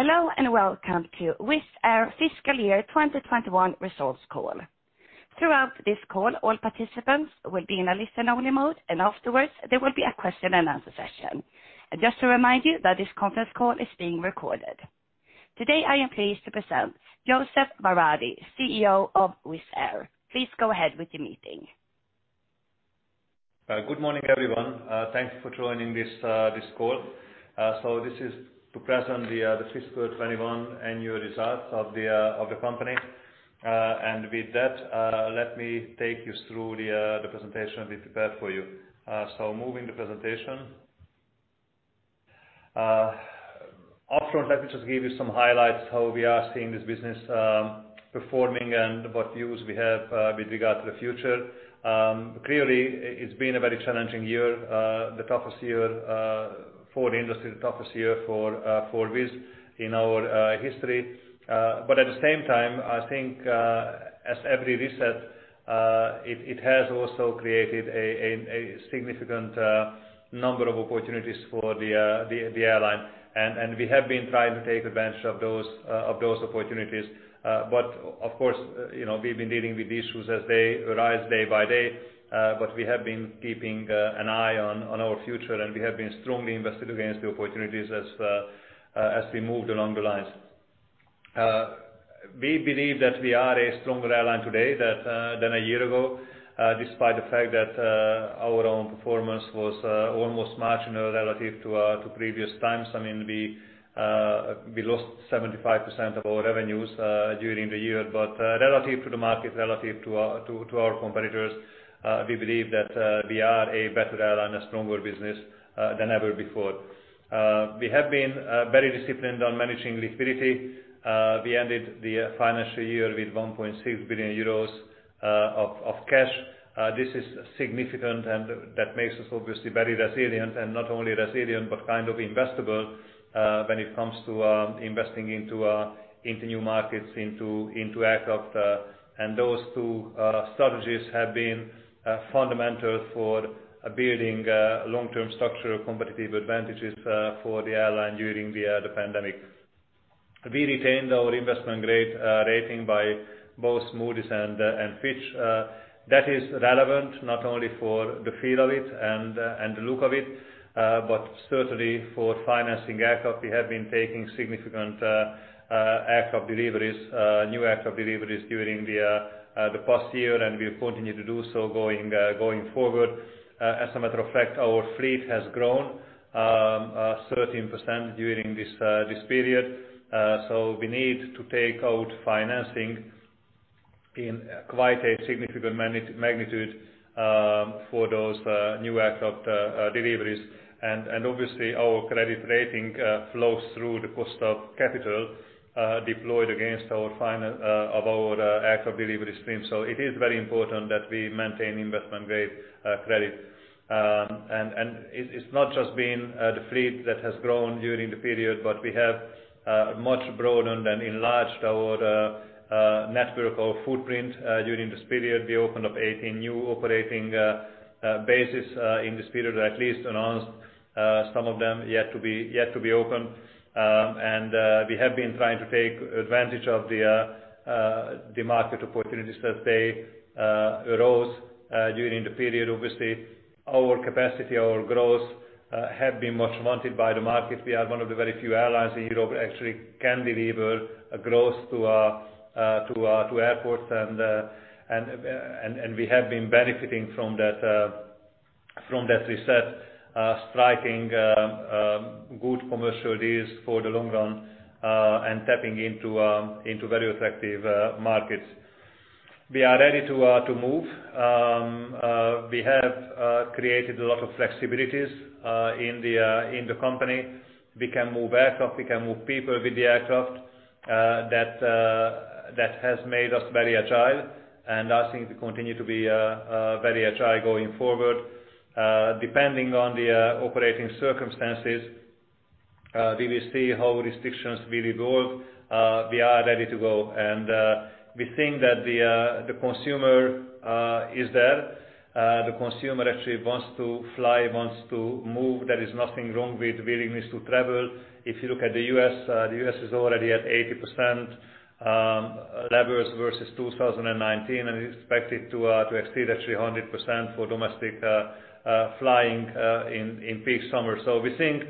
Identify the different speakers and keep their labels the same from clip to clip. Speaker 1: Hello, and welcome to Wizz Air fiscal year 2021 results call. Throughout this call, all participants will be in a listen-only mode, and afterwards, there will be a question-and-answer session. Just to remind you that this conference call is being recorded. Today, I am pleased to present József Váradi, CEO of Wizz Air. Please go ahead with the meeting.
Speaker 2: Good morning, everyone. Thanks for joining this call. This is to present the fiscal 2021 annual results of the company. With that, let me take you through the presentation we prepared for you. Moving the presentation. Upfront, let me just give you some highlights how we are seeing this business performing and what views we have with regard to the future. Clearly, it's been a very challenging year, the toughest year for the industry, the toughest year for Wizz in our history. At the same time, I think as every reset, it has also created a significant number of opportunities for the airline, and we have been trying to take advantage of those opportunities. Of course, we've been dealing with issues as they arise day by day. We have been keeping an eye on our future, and we have been strongly invested against the opportunities as we moved along the lines. We believe that we are a stronger airline today than a year ago, despite the fact that our own performance was almost marginal relative to previous times. We lost 75% of our revenues during the year. Relative to the market, relative to our competitors, we believe that we are a better airline, a stronger business than ever before. We have been very disciplined on managing liquidity. We ended the financial year with 1.6 billion euros of cash. This is significant, and that makes us obviously very resilient, and not only resilient, but kind of investable when it comes to investing into new markets, into aircraft. Those two strategies have been fundamental for building long-term structural competitive advantages for the airline during the pandemic. We retained our investment-grade rating by both Moody's and Fitch. That is relevant not only for the feel of it and the look of it, but certainly for financing aircraft. We have been taking significant new aircraft deliveries during the past year, and we'll continue to do so going forward. As a matter of fact, our fleet has grown 13% during this period. We need to take out financing in quite a significant magnitude for those new aircraft deliveries. Obviously, our credit rating flows through the cost of capital deployed against of our aircraft delivery stream. It is very important that we maintain investment-grade credit. It's not just been the fleet that has grown during the period, but we have much broadened and enlarged our network, our footprint during this period. We opened up 18 new operating bases in this period, or at least announced some of them yet to be opened. We have been trying to take advantage of the market opportunities as they arose during the period. Obviously, our capacity, our growth, have been much wanted by the market. We are one of the very few airlines in Europe that actually can deliver a growth to airports, and we have been benefiting from that reset, striking good commercial deals for the long run, and tapping into very attractive markets. We are ready to move. We have created a lot of flexibilities in the company. We can move aircraft. We can move people with the aircraft. That has made us very agile, and I think we continue to be very agile going forward. Depending on the operating circumstances, we will see how restrictions will evolve. We are ready to go, and we think that the consumer is there. The consumer actually wants to fly, wants to move. There is nothing wrong with willingness to travel. If you look at the U.S., the U.S. is already at 80% levels versus 2019, and we expect it to exceed actually 100% for domestic flying in peak summer. We think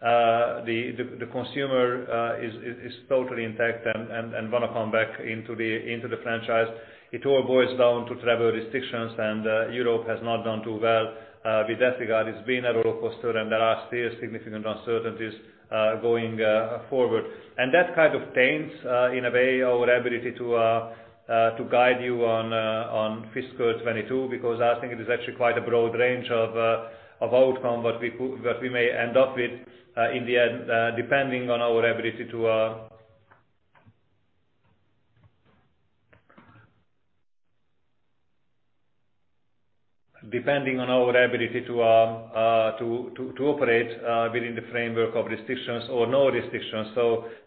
Speaker 2: the consumer is totally intact and want to come back into the franchise. It all boils down to travel restrictions, and Europe has not done too well with that regard. It's been a rollercoaster, and there are still significant uncertainties going forward. That kind of taints, in a way, our ability to guide you on fiscal 2022, because I think it is actually quite a broad range of outcome that we may end up with in the end, depending on our ability to operate within the framework of restrictions or no restrictions.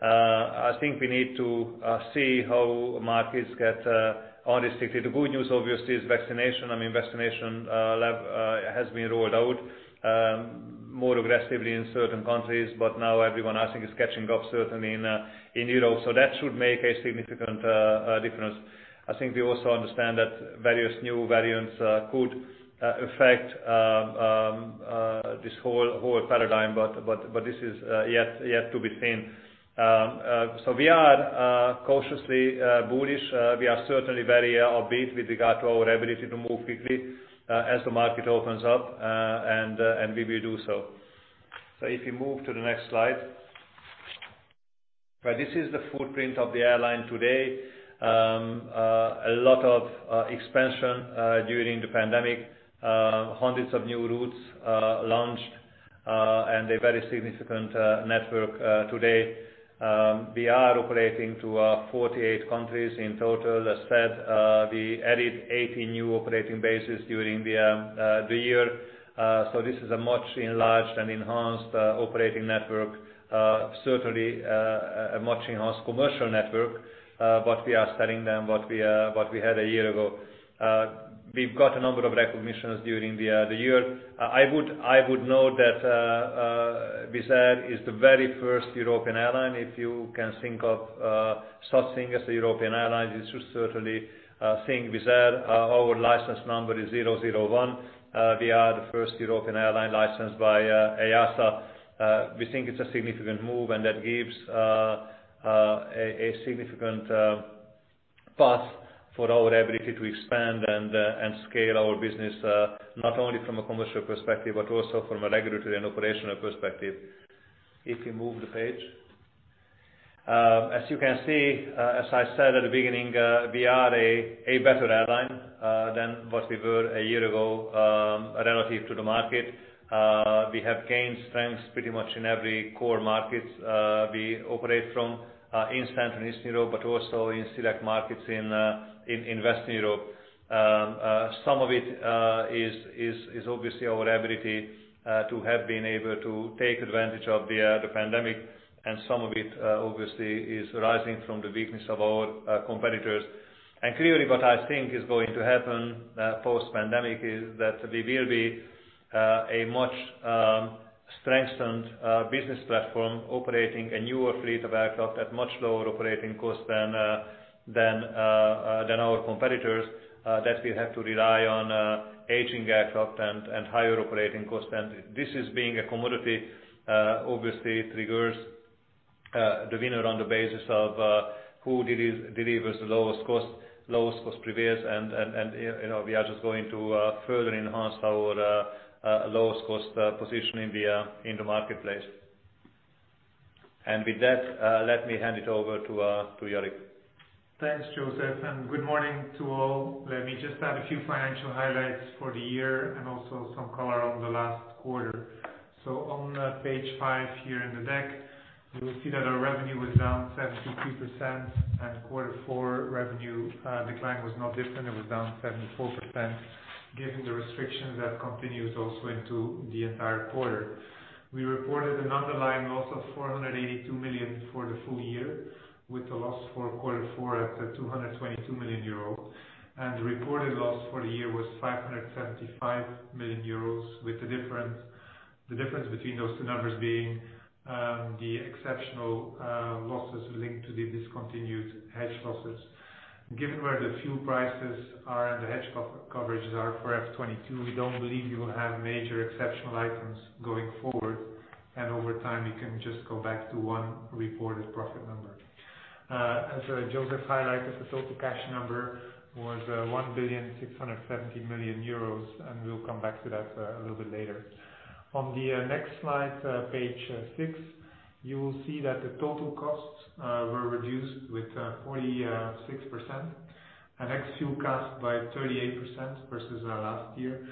Speaker 2: I think we need to see how markets get unrestricted. The good news, obviously, is vaccination. I mean, vaccination has been rolled out. More aggressively in certain countries, but now everyone I think is catching up, certainly in Europe. That should make a significant difference. I think we also understand that various new variants could affect this whole paradigm, but this is yet to be seen. We are cautiously bullish. We are certainly very upbeat with regard to our ability to move quickly as the market opens up, and we will do so. If you move to the next slide. This is the footprint of the airline today. A lot of expansion during the pandemic. Hundreds of new routes launched and a very significant network today. We are operating to 48 countries in total. As said, we added 80 new operating bases during the year. This is a much enlarged and enhanced operating network. Certainly, a much enhanced commercial network. We are selling them what we had a year ago. We've got a number of recognitions during the year. I would note that Wizz Air is the very first European airline, if you can think of such thing as a European airline, you should certainly think Wizz Air. Our license number is 001. We are the first European airline licensed by EASA. We think it's a significant move, that gives a significant path for our ability to expand and scale our business, not only from a commercial perspective, but also from a regulatory and operational perspective. If you move the page. As you can see, as I said at the beginning, we are a better airline than what we were a year ago relative to the market. We have gained strength pretty much in every core market we operate from in Central and Eastern Europe, but also in select markets in Western Europe. Some of it is obviously our ability to have been able to take advantage of the pandemic, some of it obviously is rising from the weakness of our competitors. Clearly what I think is going to happen post-pandemic is that we will be a much-strengthened business platform operating a newer fleet of aircraft at much lower operating costs than our competitors that will have to rely on aging aircraft and higher operating costs. This is being a commodity, obviously it triggers the winner on the basis of who delivers the lowest cost, lowest cost prevails and we are just going to further enhance our lowest cost position in the marketplace. With that, let me hand it over to Jourik.
Speaker 3: Thanks, József, and good morning to all. Let me just add a few financial highlights for the year and also some color on the last quarter. On page five here in the deck, you will see that our revenue was down 73%, and quarter four revenue decline was not different. It was down 74%, given the restrictions that continued also into the entire quarter. We reported an underlying loss of 482 million for the full year, with a loss for quarter four at 222 million euros. The reported loss for the year was 575 million euros with the difference between those two numbers being the exceptional losses linked to the discontinued hedge losses. Given where the fuel prices are and the hedge coverages are for FY 2022, we don't believe we will have major exceptional items going forward, and over time we can just go back to one reported profit number. As József highlighted, the total cash number was 1,670,000,000 euros, and we'll come back to that a little bit later. On the next slide, page six, you will see that the total costs were reduced with 46% and Ex-Fuel CASK by 38% versus last year.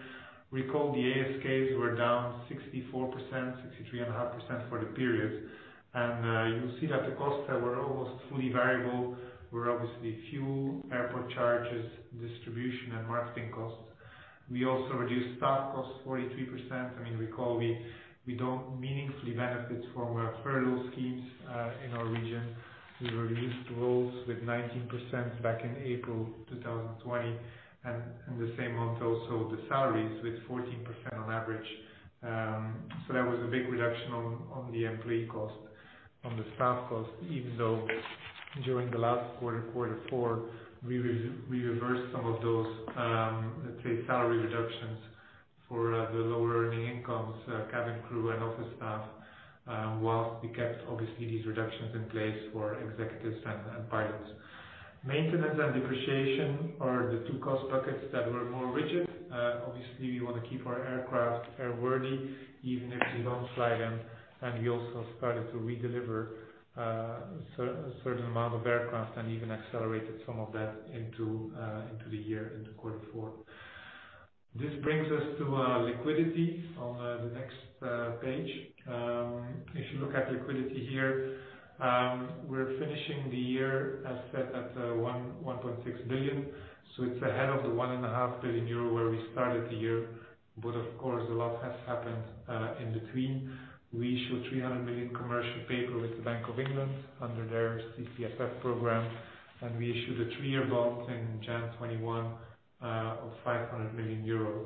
Speaker 3: Recall the ASKs were down 64%, 63.5% for the period. You will see that the costs that were almost fully variable were obviously fuel, airport charges, distribution, and marketing costs. We also reduced staff costs 43%. Recall we don't meaningfully benefit from furlough schemes in our region. We reduced roles with 19% back in April 2020. The same went also with the salaries with 14% on average. That was a big reduction on the employee cost, on the staff cost, even though during the last quarter four, we reversed some of those trade salary reductions for the lower earning incomes, cabin crew, and office staff, while we kept obviously these reductions in place for executives and pilots. Maintenance and depreciation are the two cost buckets that were more rigid. Obviously, we want to keep our aircraft airworthy even if we don't fly them, and we also started to redeliver a certain amount of aircraft and even accelerated some of that into the year into quarter four. This brings us to liquidity on the next page. If you look at liquidity here, we're finishing the year, as said, at 1.6 billion. It's ahead of the 1.5 billion euro where we started the year. Of course, a lot has happened in between. We issued 300 million commercial paper with the Bank of England under their CCFF program, and we issued a three-year bond in January 2021 of 500 million euros.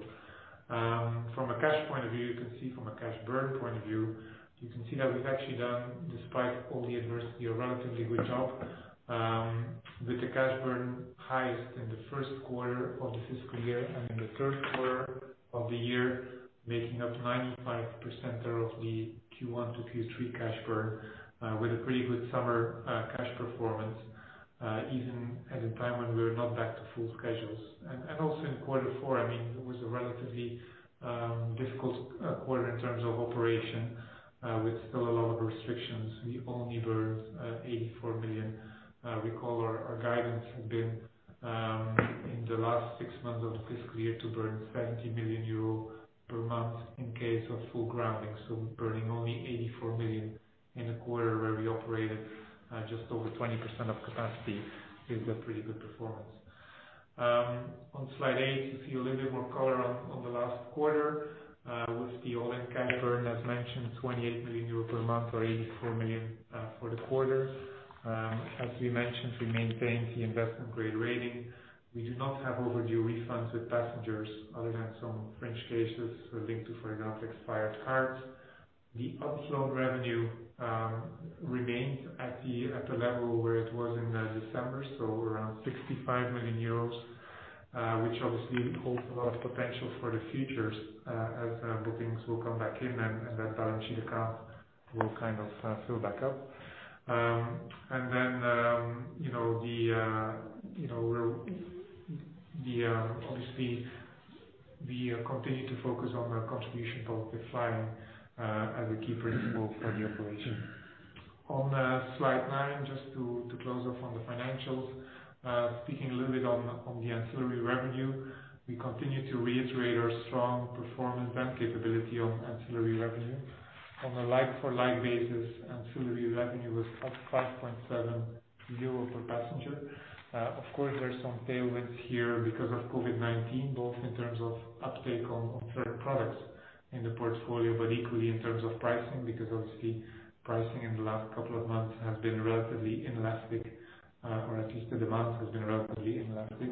Speaker 3: From a cash point of view, you can see from a cash burn point of view, you can see that we've actually done, despite all the adversity, a relatively good job with the cash burn highest in the first quarter of the fiscal year and in the third quarter of the year, making up 95% of the Q1 to Q3 cash burn, with a pretty good summer cash performance, even at a time when we're not back to full schedules. Also, in Q4, it was a relatively difficult quarter in terms of operation, with still a lot of restrictions. We only burned 84 million. Recall our guidance had been in the last six months of the fiscal year to burn 70 million euro per month in case of full grounding. We're burning only 84 million in a quarter where we operated just over 20% of capacity is a pretty good performance. On slide eight, you see a little bit more color on the last quarter with the all-in cash burn, as mentioned, 28 million euro per month or 84 million for the quarter. As we mentioned, we maintained the investment-grade rating. We do not have overdue refunds with passengers other than some French cases linked to, for example, expired cards. The unflown revenue remains at the level where it was in December, so around 65 million euros, which obviously holds a lot of potential for the future as bookings will come back in and that balance sheet account will kind of fill back up. Obviously, we continue to focus on the contribution positive flying as a key principle for the operation. On slide nine, just to close off on the financials. Speaking a little bit on the ancillary revenue, we continue to reiterate our strong performance and capability on ancillary revenue. On a like-for-like basis, ancillary revenue was up 5.7 euro per passenger. Of course, there's some tailwinds here because of COVID-19, both in terms of uptake on fare products in the portfolio, but equally in terms of pricing, because obviously pricing in the last couple of months has been relatively inelastic, or at least the demand has been relatively inelastic.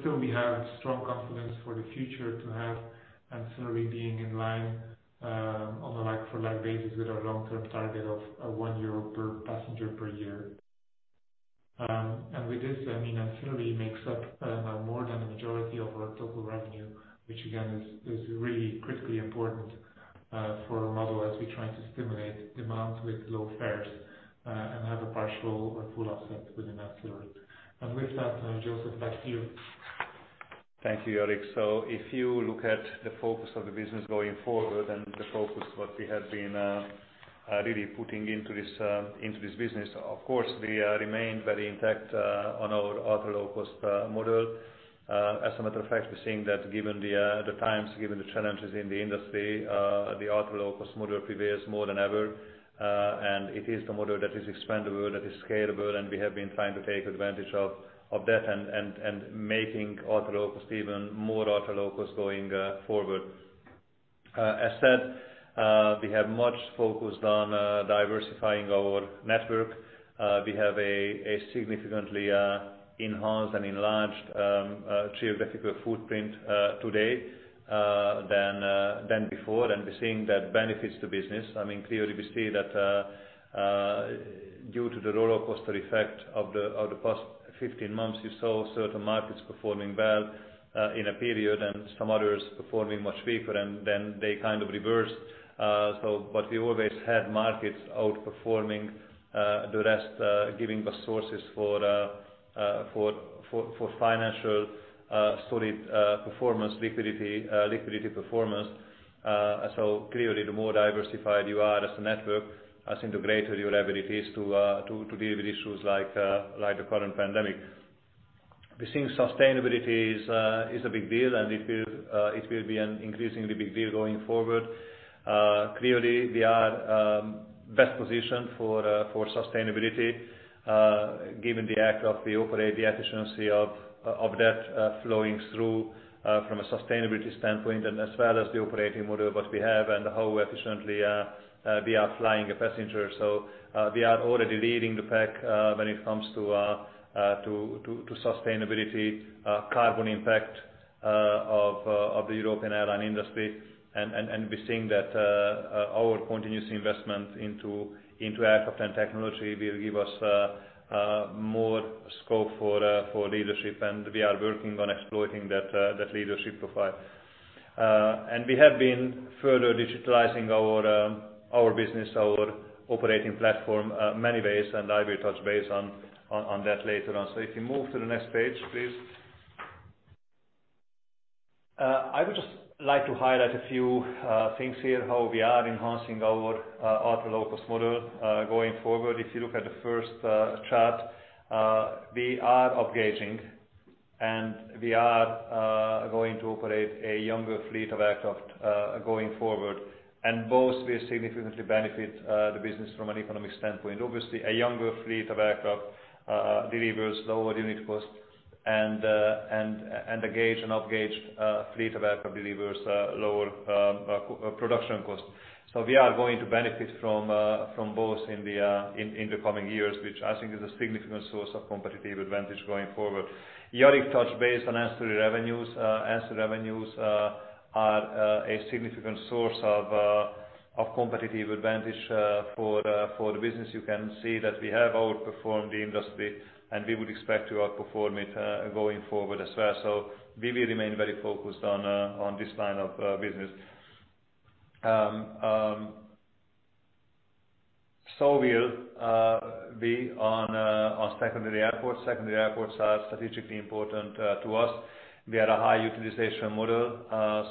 Speaker 3: Still, we have strong confidence for the future to have ancillary being in line on a like-for-like basis with our long-term target of 1 euro per passenger per year. With this, ancillary makes up more than a majority of our total revenue, which again, is really critically important for our model as we try to stimulate demand with low fares and have a partial or full offset within ancillary. With that, József, back to you.
Speaker 2: Thank you, Jourik. If you look at the focus of the business going forward and the focus what we have been really putting into this business, of course, we remain very intact on our ultra low-cost model. As a matter of fact, we're seeing that given the times, given the challenges in the industry, the ultra low-cost model prevails more than ever. It is the model that is expandable, that is scalable, and we have been trying to take advantage of that and making ultra low-cost even more ultra low-cost going forward. As said, we have much focus on diversifying our network. We have a significantly enhanced and enlarged geographical footprint today than before, and we're seeing that benefits the business. Clearly, we see that due to the rollercoaster effect of the past 15 months, you saw certain markets performing well in a period and some others performing much weaker, then they kind of reversed. We always had markets outperforming the rest, giving us sources for financial solid performance, liquidity performance. Clearly, the more diversified you are as a network, I think the greater your ability is to deal with issues like the current pandemic. We're seeing sustainability is a big deal, it will be an increasingly big deal going forward. Clearly, we are best positioned for sustainability given the aircraft we operate, the efficiency of that flowing through from a sustainability standpoint, as well as the operating model what we have and how efficiently we are flying a passenger. We are already leading the pack when it comes to sustainability carbon impact of the European airline industry. We're seeing that our continuous investment into aircraft and technology will give us more scope for leadership, and we are working on exploiting that leadership profile. We have been further digitalizing our business, our operating platform, many ways, and I will touch base on that later on. If you move to the next page, please. I would just like to highlight a few things here, how we are enhancing our ultra-low-cost model going forward. If you look at the first chart, we are upgauging. We are going to operate a younger fleet of aircraft going forward. Both will significantly benefit the business from an economic standpoint. Obviously, a younger fleet of aircraft delivers lower unit cost and a gauge, an upgauged fleet of aircraft delivers lower production cost. We are going to benefit from both in the coming years, which I think is a significant source of competitive advantage going forward. Jourik touched base on ancillary revenues. Ancillary revenues are a significant source of competitive advantage for the business. You can see that we have outperformed the industry, and we would expect to outperform it going forward as well. We will remain very focused on this line of business. We'll be on secondary airports. Secondary airports are strategically important to us. We are a high-utilization model,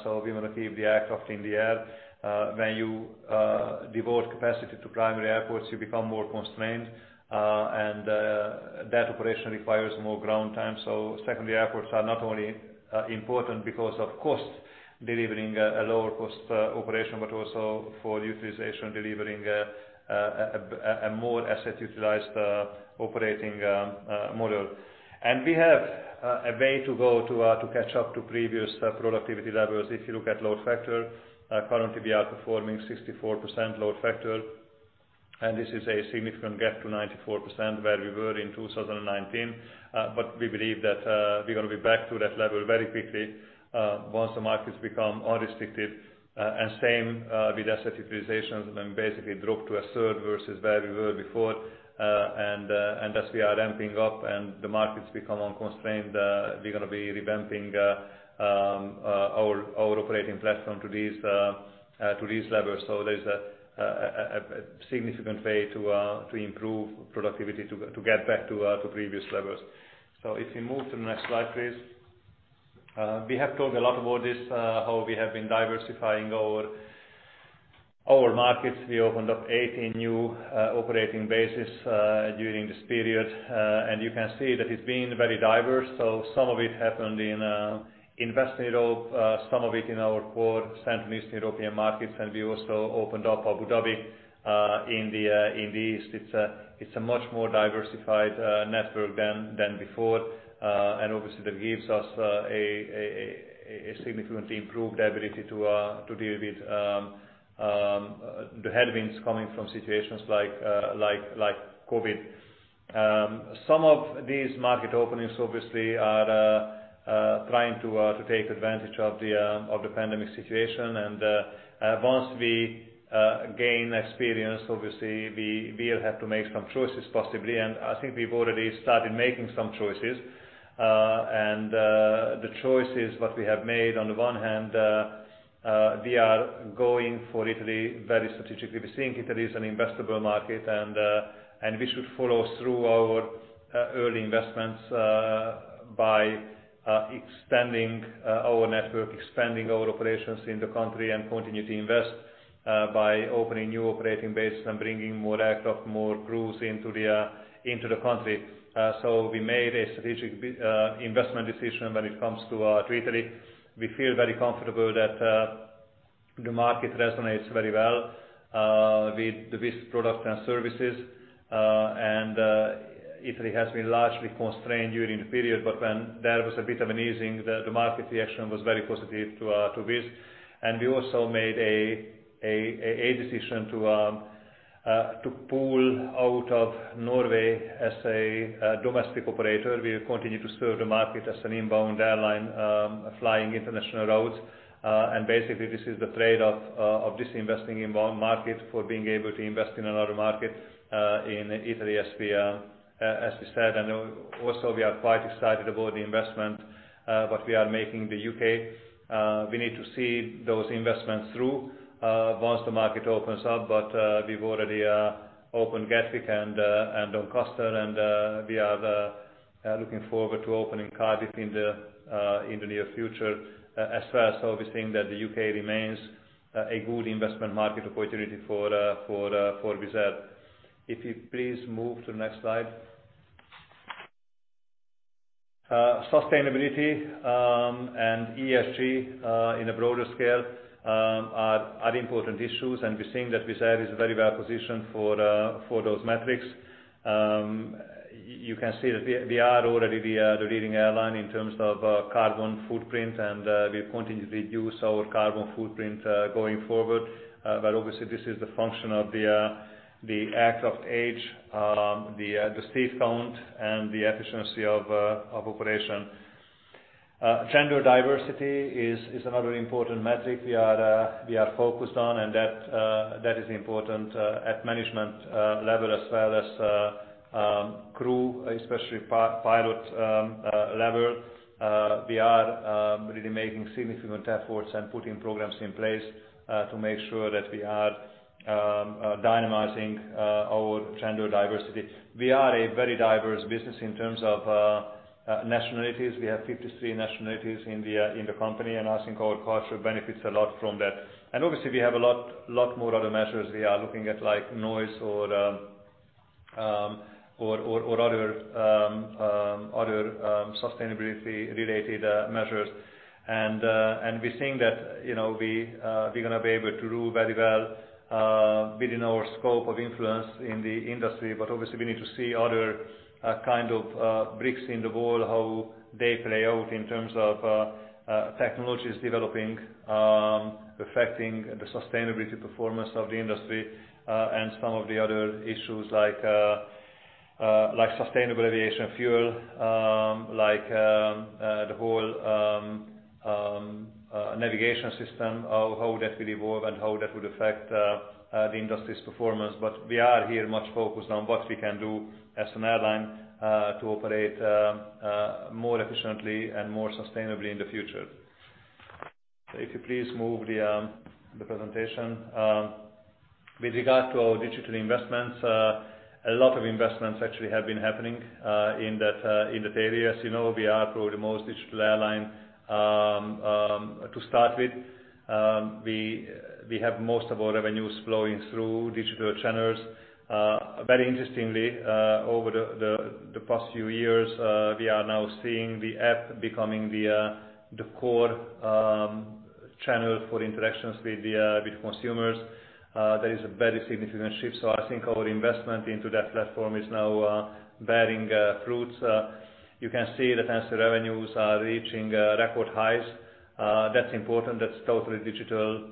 Speaker 2: so we want to keep the aircraft in the air. When you devote capacity to primary airports, you become more constrained, and that operation requires more ground time. Secondary airports are not only important because of cost, delivering a lower cost operation, but also for utilization, delivering a more asset-utilized operating model. We have a way to go to catch up to previous productivity levels. If you look at load factor, currently we are performing 64% load factor, and this is a significant gap to 94% where we were in 2019. We believe that we're going to be back to that level very quickly once the markets become unrestricted. Same with asset utilizations, when we basically dropped to a third versus where we were before. As we are ramping up and the markets become unconstrained, we're going to be revamping our operating platform to these levels. There is a significant way to improve productivity to get back to previous levels. If we move to the next slide, please. We have talked a lot about this, how we have been diversifying our markets. We opened up 18 new operating bases during this period. You can see that it's been very diverse. Some of it happened in Western Europe, some of it in our core Central and Eastern European markets, and we also opened up Abu Dhabi in the East. It's a much more diversified network than before. Obviously, that gives us a significantly improved ability to deal with the headwinds coming from situations like COVID. Some of these market openings, obviously, are trying to take advantage of the pandemic situation. Once we gain experience, obviously we will have to make some choices possibly. I think we've already started making some choices. The choices that we have made, on the one hand, we are going for Italy very strategically. We think Italy is an investable market, and we should follow through our early investments by expanding our network, expanding our operations in the country, and continue to invest by opening new operating bases and bringing more aircraft, more crews into the country. We made a strategic investment decision when it comes to Italy. We feel very comfortable that the market resonates very well with Wizz product and services. Italy has been largely constrained during the period. But when there was a bit of an easing, the market reaction was very positive to Wizz. We also made a decision to pull out of Norway as a domestic operator. We will continue to serve the market as an inbound airline flying international routes. Basically, this is the trade-off of disinvesting in one market for being able to invest in another market in Italy, as we said. Also, we are quite excited about the investment that we are making in the U.K. We need to see those investments through once the market opens up. We've already opened Gatwick and Doncaster, and we are looking forward to opening Cardiff in the near future as well. We think that the U.K. remains a good investment market opportunity for Wizz Air. If you please move to the next slide. Sustainability and ESG in a broader scale are important issues, and we think that Wizz Air is very well-positioned for those metrics. You can see that we are already the leading airline in terms of carbon footprint, and we continue to reduce our carbon footprint going forward. Obviously, this is the function of the aircraft age, the seat count, and the efficiency of operation. Gender diversity is another important metric we are focused on, and that is important at management level as well as crew, especially pilot level. We are really making significant efforts and putting programs in place to make sure that we are dynamizing our gender diversity. We are a very diverse business in terms of nationalities. We have 53 nationalities in the company, and I think our culture benefits a lot from that. Obviously, we have a lot more other measures we are looking at, like noise or other sustainability-related measures. We think that we are going to be able to do very well within our scope of influence in the industry. Obviously, we need to see other kinds of bricks in the wall, how they play out in terms of technologies developing, affecting the sustainability performance of the industry, and some of the other issues like sustainable aviation fuel, like the whole navigation system how that will evolve and how that would affect the industry's performance. We are here much focused on what we can do as an airline to operate more efficiently and more sustainably in the future. If you please move the presentation. With regard to our digital investments, a lot of investments actually have been happening in that area. As you know, we are probably the most digital airline to start with. We have most of our revenues flowing through digital channels. Very interestingly, over the past few years, we are now seeing the app becoming the core channel for interactions with consumers. There is a very significant shift. I think our investment into that platform is now bearing fruits. You can see that revenues are reaching record highs. That's important. That's totally digital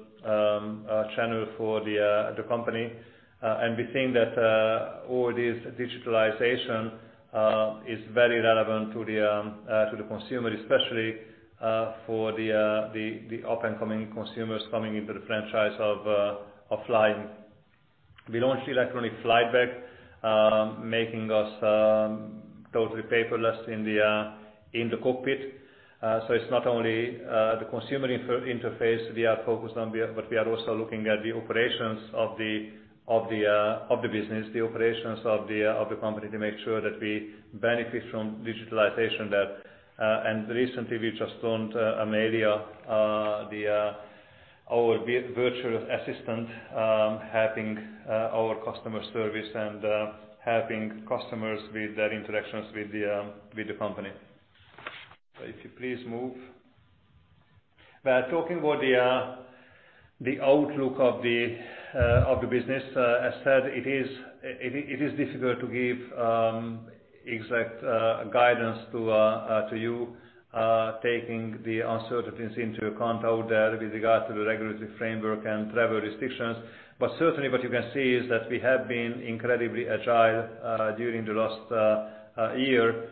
Speaker 2: channel for the company. We think that all this digitalization is very relevant to the consumer, especially for the up-and-coming consumers coming into the franchise of flying. We launched electronic flight bag, making us totally paperless in the cockpit. It's not only the consumer interface we are focused on, but we are also looking at the operations of the business, the operations of the company to make sure that we benefit from digitalization there. Recently, we just launched Amelia, our virtual assistant, helping our customer service and helping customers with their interactions with the company. If you please move. Talking about the outlook of the business, as said, it is difficult to give exact guidance to you, taking the uncertainties into account out there with regard to the regulatory framework and travel restrictions. Certainly what you can see is that we have been incredibly agile during the last year.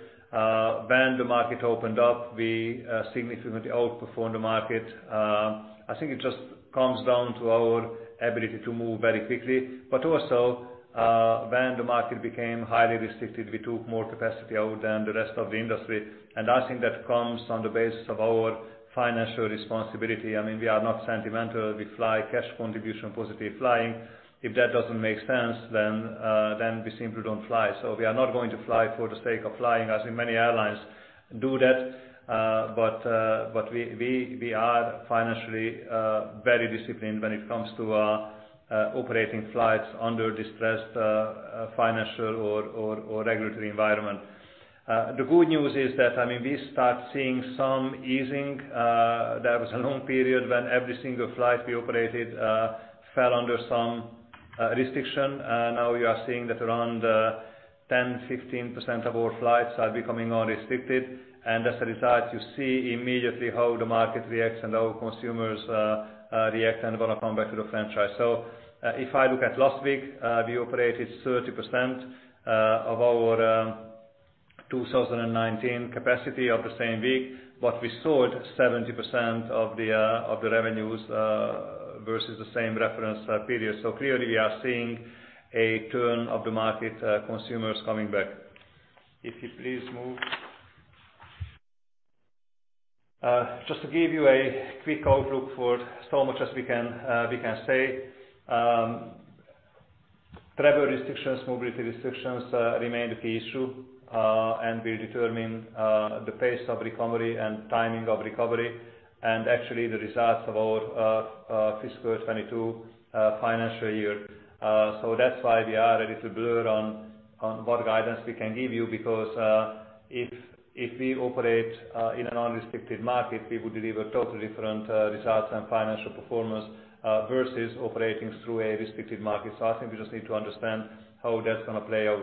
Speaker 2: When the market opened up, we significantly outperformed the market. I think it just comes down to our ability to move very quickly. Also when the market became highly restricted, we took more capacity out than the rest of the industry. I think that comes on the basis of our financial responsibility. We are not sentimental. We fly cash contribution positive flying. If that doesn't make sense, then we simply don't fly. We are not going to fly for the sake of flying, as many airlines do that. We are financially very disciplined when it comes to operating flights under distressed financial or regulatory environment. The good news is that we start seeing some easing. There was a long period when every single flight we operated fell under some restriction. Now we are seeing that around 10%, 15% of all flights are becoming unrestricted. As a result, you see immediately how the market reacts and how consumers react and want to come back to the franchise. If I look at last week, we operated 30% of our 2019 capacity of the same week, but we sold 70% of the revenues versus the same reference period. Clearly, we are seeing a turn of the market consumers coming back. If you please move. Just to give you a quick outlook for so much as we can say. Travel restrictions, mobility restrictions remain the key issue and will determine the pace of recovery and timing of recovery, actually the results of our fiscal 2022 financial year. That's why we are a little blur on what guidance we can give you, because if we operate in an unrestricted market, we would deliver totally different results and financial performance versus operating through a restricted market. I think we just need to understand how that's going to play out.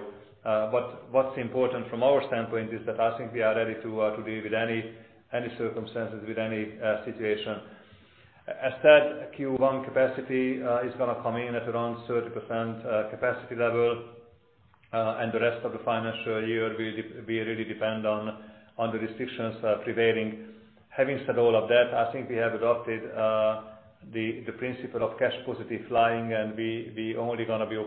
Speaker 2: What's important from our standpoint is that I think we are ready to deal with any circumstances, with any situation. As said, Q1 capacity is going to come in at around 30% capacity level, the rest of the financial year will really depend on the restrictions prevailing. Having said all of that, I think we have adopted the principle of cash positive flying, and we only going to be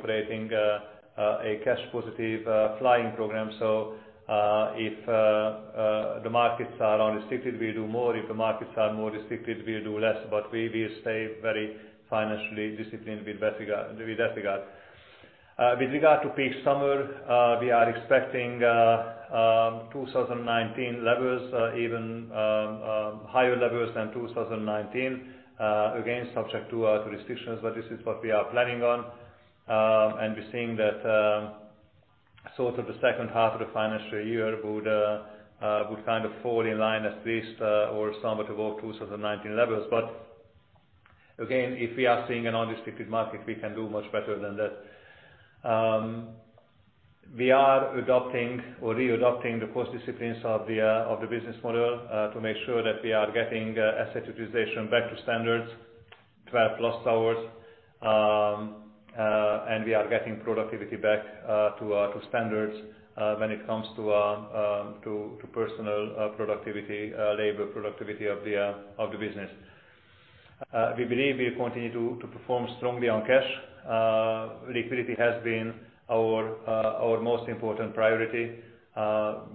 Speaker 2: operating a cash positive flying program. If the markets are unrestricted, we'll do more. If the markets are more restricted, we'll do less. We will stay very financially disciplined with that regard. With regard to peak summer, we are expecting 2019 levels, even higher levels than 2019. Again, subject to restrictions, this is what we are planning on. We're seeing Sort of the second half of the financial year would kind of fall in line at least, or somewhat above 2019 levels. Again, if we are seeing an unrestricted market, we can do much better than that. We are adopting or readopting the cost disciplines of the business model, to make sure that we are getting asset utilization back to standards, 12+ hours. We are getting productivity back to standards when it comes to personal productivity, labor productivity of the business. We believe we'll continue to perform strongly on cash. Liquidity has been our most important priority.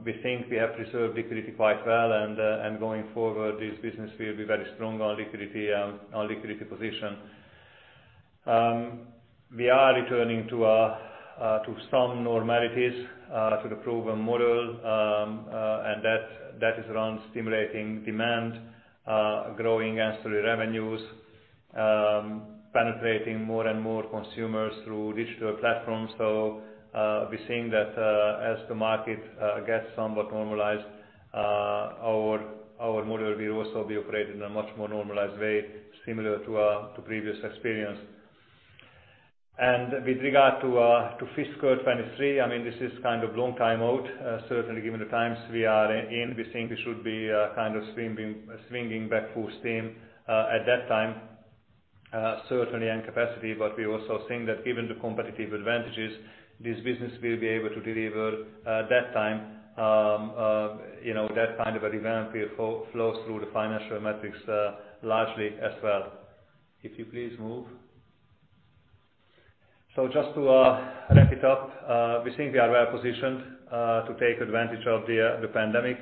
Speaker 2: We think we have preserved liquidity quite well, and going forward, this business will be very strong on liquidity position. We are returning to some normalities to the proven model, and that is around stimulating demand, growing ancillary revenues, penetrating more and more consumers through digital platforms. We're seeing that as the market gets somewhat normalized, our model will also be operated in a much more normalized way, similar to previous experience. With regard to fiscal 2023, this is kind of long time out. Certainly, given the times we are in, we think we should be kind of swinging back full steam, at that time. Certainly, in capacity, but we also think that given the competitive advantages, this business will be able to deliver at that time, that kind of a demand will flow through the financial metrics, largely as well. If you please move. Just to wrap it up, we think we are well-positioned to take advantage of the pandemic.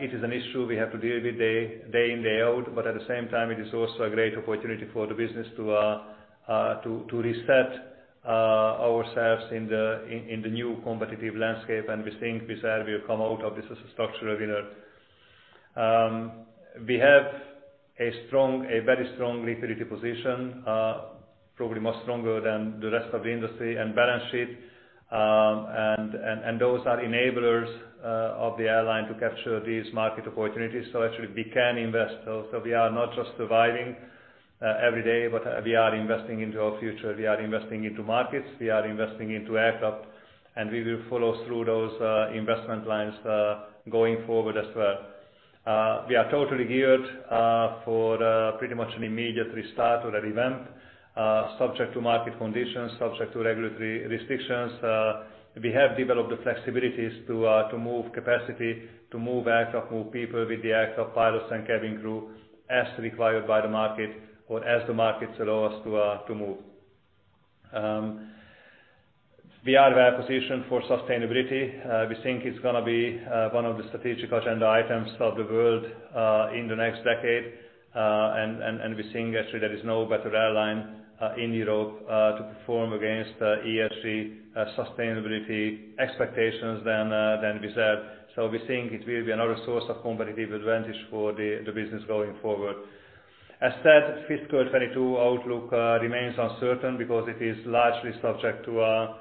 Speaker 2: It is an issue we have to deal with day in, day out. At the same time, it is also a great opportunity for the business to reset ourselves in the new competitive landscape. We think Wizz Air will come out of this as a structural winner. We have a very strong liquidity position, probably much stronger than the rest of the industry and balance sheet. Those are enablers of the airline to capture these market opportunities. Actually, we can invest. We are not just surviving every day, but we are investing into our future. We are investing into markets, we are investing into aircraft, and we will follow through those investment lines going forward as well. We are totally geared for pretty much an immediate restart of that event, subject to market conditions, subject to regulatory restrictions. We have developed the flexibilities to move capacity, to move aircraft, move people with the aircraft pilots and cabin crew as required by the market or as the markets allow us to move. We are well-positioned for sustainability. We think it is going to be one of the strategic agenda items of the world in the next decade. We think actually there is no better airline in Europe to perform against ESG sustainability expectations than Wizz Air. We think it will be another source of competitive advantage for the business going forward. As said, fiscal 2022 outlook remains uncertain because it is largely subject to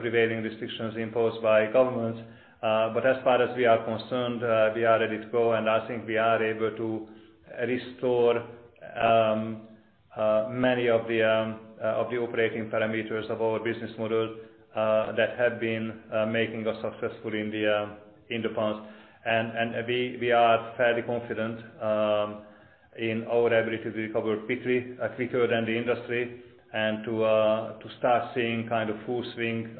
Speaker 2: prevailing restrictions imposed by governments. As far as we are concerned, we are ready to go, and I think we are able to restore many of the operating parameters of our business model that have been making us successful in the past. And we are fairly confident in our ability to recover quickly, quicker than the industry, and to start seeing kind of full swing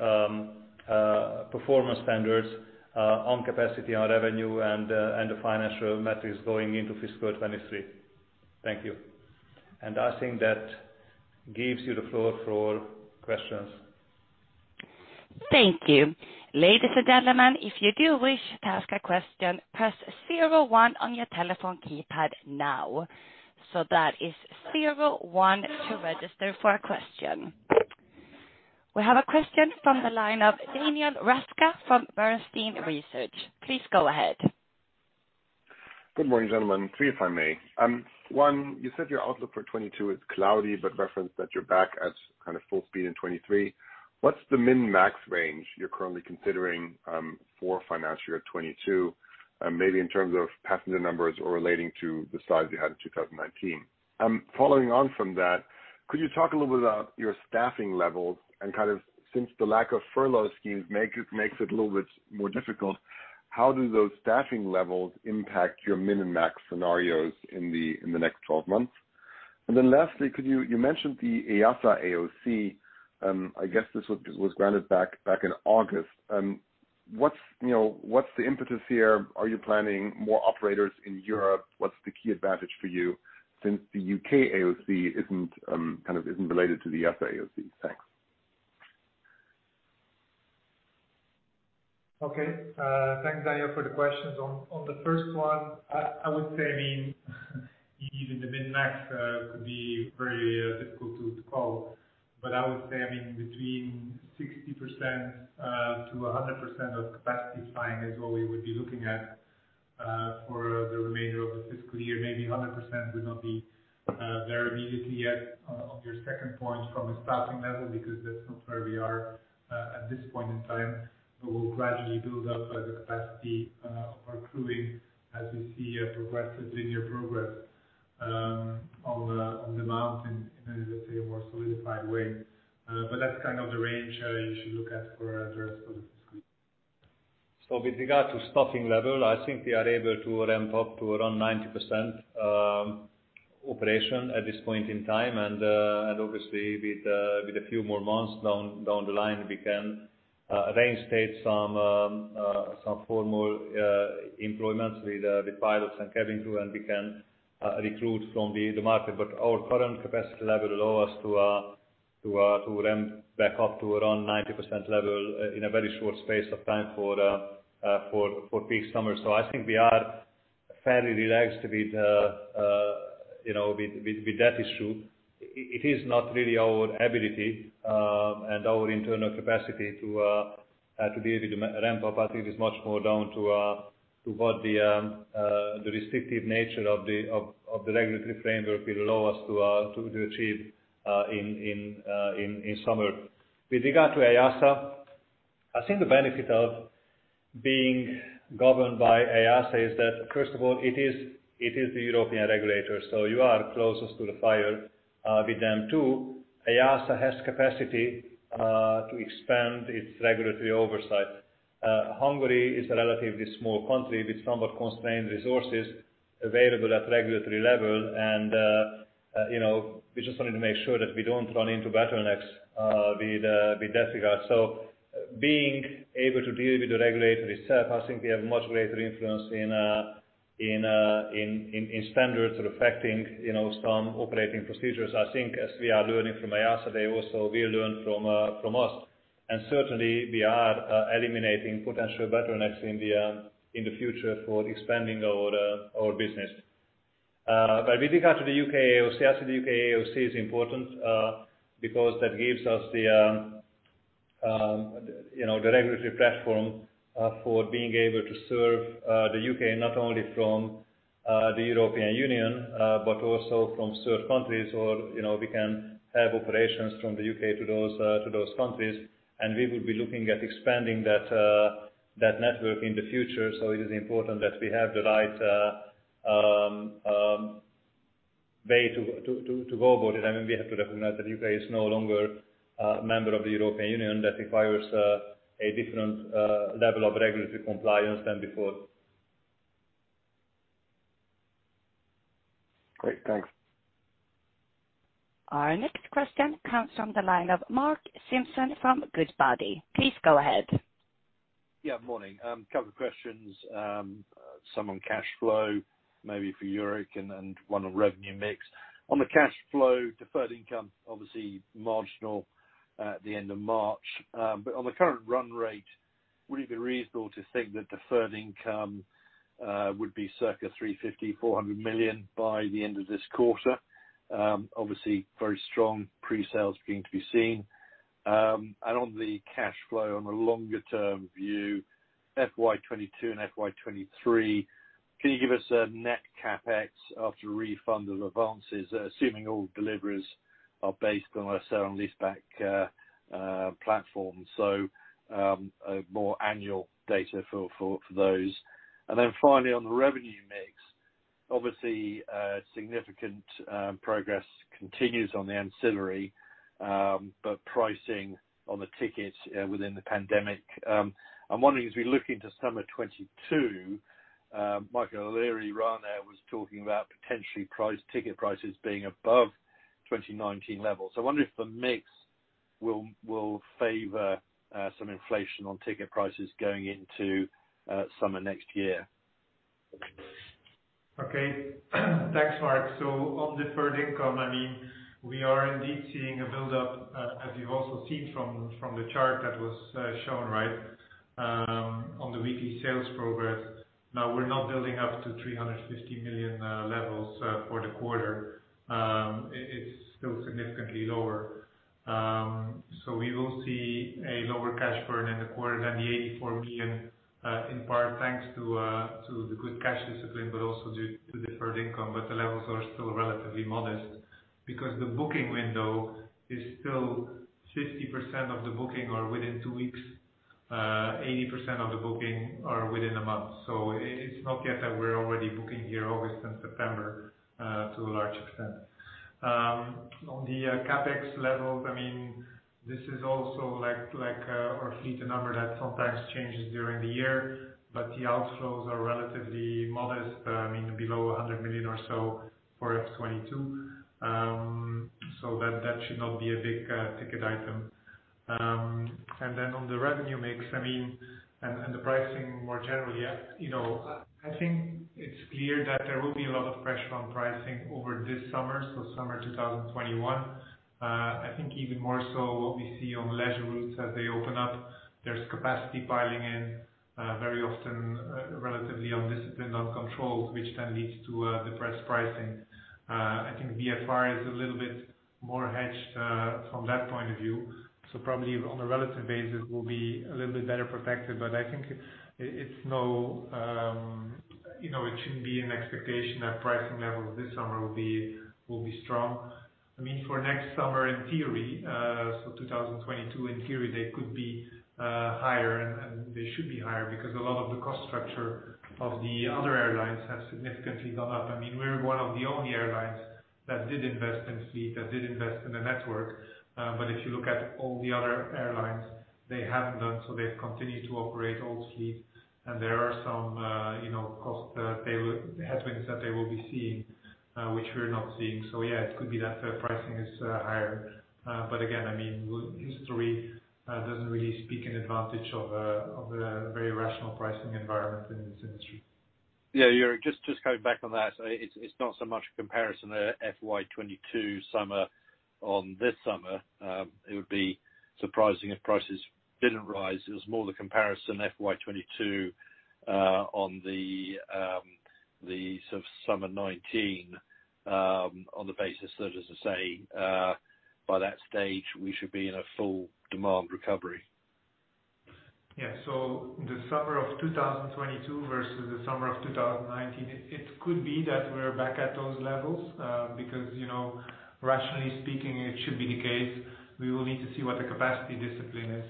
Speaker 2: performance standards on capacity, on revenue, and the financial metrics going into fiscal 2023. Thank you. I think that gives you the floor for questions.
Speaker 1: Thank you. Ladies and gentlemen, if you do wish to ask a question, press zero one on your telephone keypad now. That is zero one to register for a question. We have a question from the line of Daniel Roeska from Bernstein Research. Please go ahead.
Speaker 4: Good morning, gentlemen. Three if I may. One, you said your outlook for 2022 is cloudy but referenced that you're back at kind of full speed in 2023. What's the min-max range you're currently considering for financial year 2022? Maybe in terms of passenger numbers or relating to the size you had in 2019. Following on from that, could you talk a little bit about your staffing levels and kind of, since the lack of furlough schemes makes it a little bit more difficult, how do those staffing levels impact your min and max scenarios in the next 12 months? Lastly, you mentioned the EASA AOC. I guess this was granted back in August. What's the impetus here? Are you planning more operators in Europe? What's the key advantage for you since the U.K. AOC isn't related to the EASA AOC? Thanks.
Speaker 3: Okay. Thanks, Daniel, for the questions. On the first one, I would say even the min-max could be very difficult to call. I would say between 60%-100% of capacity flying is what we would be looking at. For the remainder of the fiscal year, maybe 100% would not be there immediately yet on your second point from a staffing level, because that's not where we are at this point in time. We will gradually build up the capacity of our crewing as we see a progressive linear progress on the amount in, let's say, a more solidified way. That's kind of the range you should look at for the rest of the fiscal year.
Speaker 2: With regard to staffing level, I think we are able to ramp up to around 90% operation at this point in time. Obviously with a few more months down the line, we can reinstate some formal employments with the pilots and cabin crew, and we can recruit from the market. Our current capacity level allows us to ramp back up to around 90% level in a very short space of time for peak summer. I think we are fairly relaxed with that issue. It is not really our ability and our internal capacity to be able to ramp up. I think it's much more down to what the restrictive nature of the regulatory framework will allow us to achieve in summer. With regard to EASA, I think the benefit of being governed by EASA is that, first of all, it is the European regulator, so you are closest to the fire with them too. EASA has capacity to expand its regulatory oversight. Hungary is a relatively small country with somewhat constrained resources available at regulatory level, and we just wanted to make sure that we don't run into bottlenecks with that regard. Being able to deal with the regulator itself, I think we have much greater influence in standards reflecting some operating procedures. I think as we are learning from EASA, they also will learn from us. Certainly, we are eliminating potential bottlenecks in the future for expanding our business. With regard to the U.K. AOC, I think the U.K. AOC is important because that gives us the regulatory platform for being able to serve the U.K., not only from the European Union but also from certain countries. We can have operations from the U.K. to those countries, and we will be looking at expanding that network in the future. It is important that we have the right way to go about it. I mean, we have to recognize that U.K. is no longer a member of the European Union. That requires a different level of regulatory compliance than before.
Speaker 4: Great. Thanks.
Speaker 1: Our next question comes from the line of Mark Simpson from Goodbody. Please go ahead.
Speaker 5: Yeah, morning. A couple of questions, some on cash flow maybe for Jourik and one on revenue mix. On the cash flow, deferred income, obviously marginal at the end of March. On the current run rate, would it be reasonable to think that deferred income would be circa 350 million-400 million by the end of this quarter? Obviously, very strong pre-sales beginning to be seen. On the cash flow on a longer-term view, FY 2022 and FY 2023, can you give us a net CapEx after refund of advances, assuming all deliveries are based on a certain leaseback platform? More annual data for those. Finally on the revenue mix, obviously significant progress continues on the ancillary, but pricing on the ticket within the pandemic. I'm wondering as we look into summer 2022, Michael O'Leary, Ryanair, was talking about potentially ticket prices being above 2019 levels. I wonder if the mix will favor some inflation on ticket prices going into summer next year.
Speaker 3: Okay. Thanks, Mark. On deferred income, I mean, we are indeed seeing a build-up, as you've also seen from the chart that was shown right, on the weekly sales progress. We're not building up to 350 million levels for the quarter. It's still significantly lower. We will see a lower cash burn in the quarter than the 84 million, in part thanks to the good cash discipline, but also due to deferred income. The levels are still relatively modest because the booking window is still 50% of the booking or within two weeks, 80% of the booking are within a month. It's not yet that we're already booking year August and September to a large extent. On the CapEx levels, I mean, this is also like our fleet, a number that sometimes changes during the year, but the outflows are relatively modest. I mean, below 100 million or so for FY 2022. That should not be a big ticket item. Then on the revenue mix, I mean, and the pricing more generally. I think it's clear that there will be a lot of pressure on pricing over this summer, so summer 2021. I think even more so what we see on leisure routes as they open up, there's capacity piling in very often, relatively undisciplined, uncontrolled, which then leads to depressed pricing. I think VFR is a little bit more hedged from that point of view. Probably on a relative basis, we'll be a little bit better protected. I think it shouldn't be an expectation that pricing levels this summer will be strong. I mean, for next summer, in theory, so 2022, in theory, they could be higher and they should be higher because a lot of the cost structure of the other airlines have significantly gone up. We're one of the only airlines that did invest in fleet, that did invest in the network. If you look at all the other airlines, they haven't done, so they've continued to operate old fleet. There are some cost headwinds that they will be seeing, which we're not seeing. Yeah, it could be that fair pricing is higher. Again, history doesn't really speak in advantage of a very rational pricing environment in this industry.
Speaker 5: Yeah, Jourik, just coming back on that. It's not so much a comparison, FY 2022 summer on this summer. It would be surprising if prices didn't rise. It was more the comparison FY 2022 on the summer 2019 on the basis that as I say, by that stage, we should be in a full demand recovery.
Speaker 3: Yeah. The summer of 2022 versus the summer of 2019, it could be that we're back at those levels, because rationally speaking, it should be the case. We will need to see what the capacity discipline is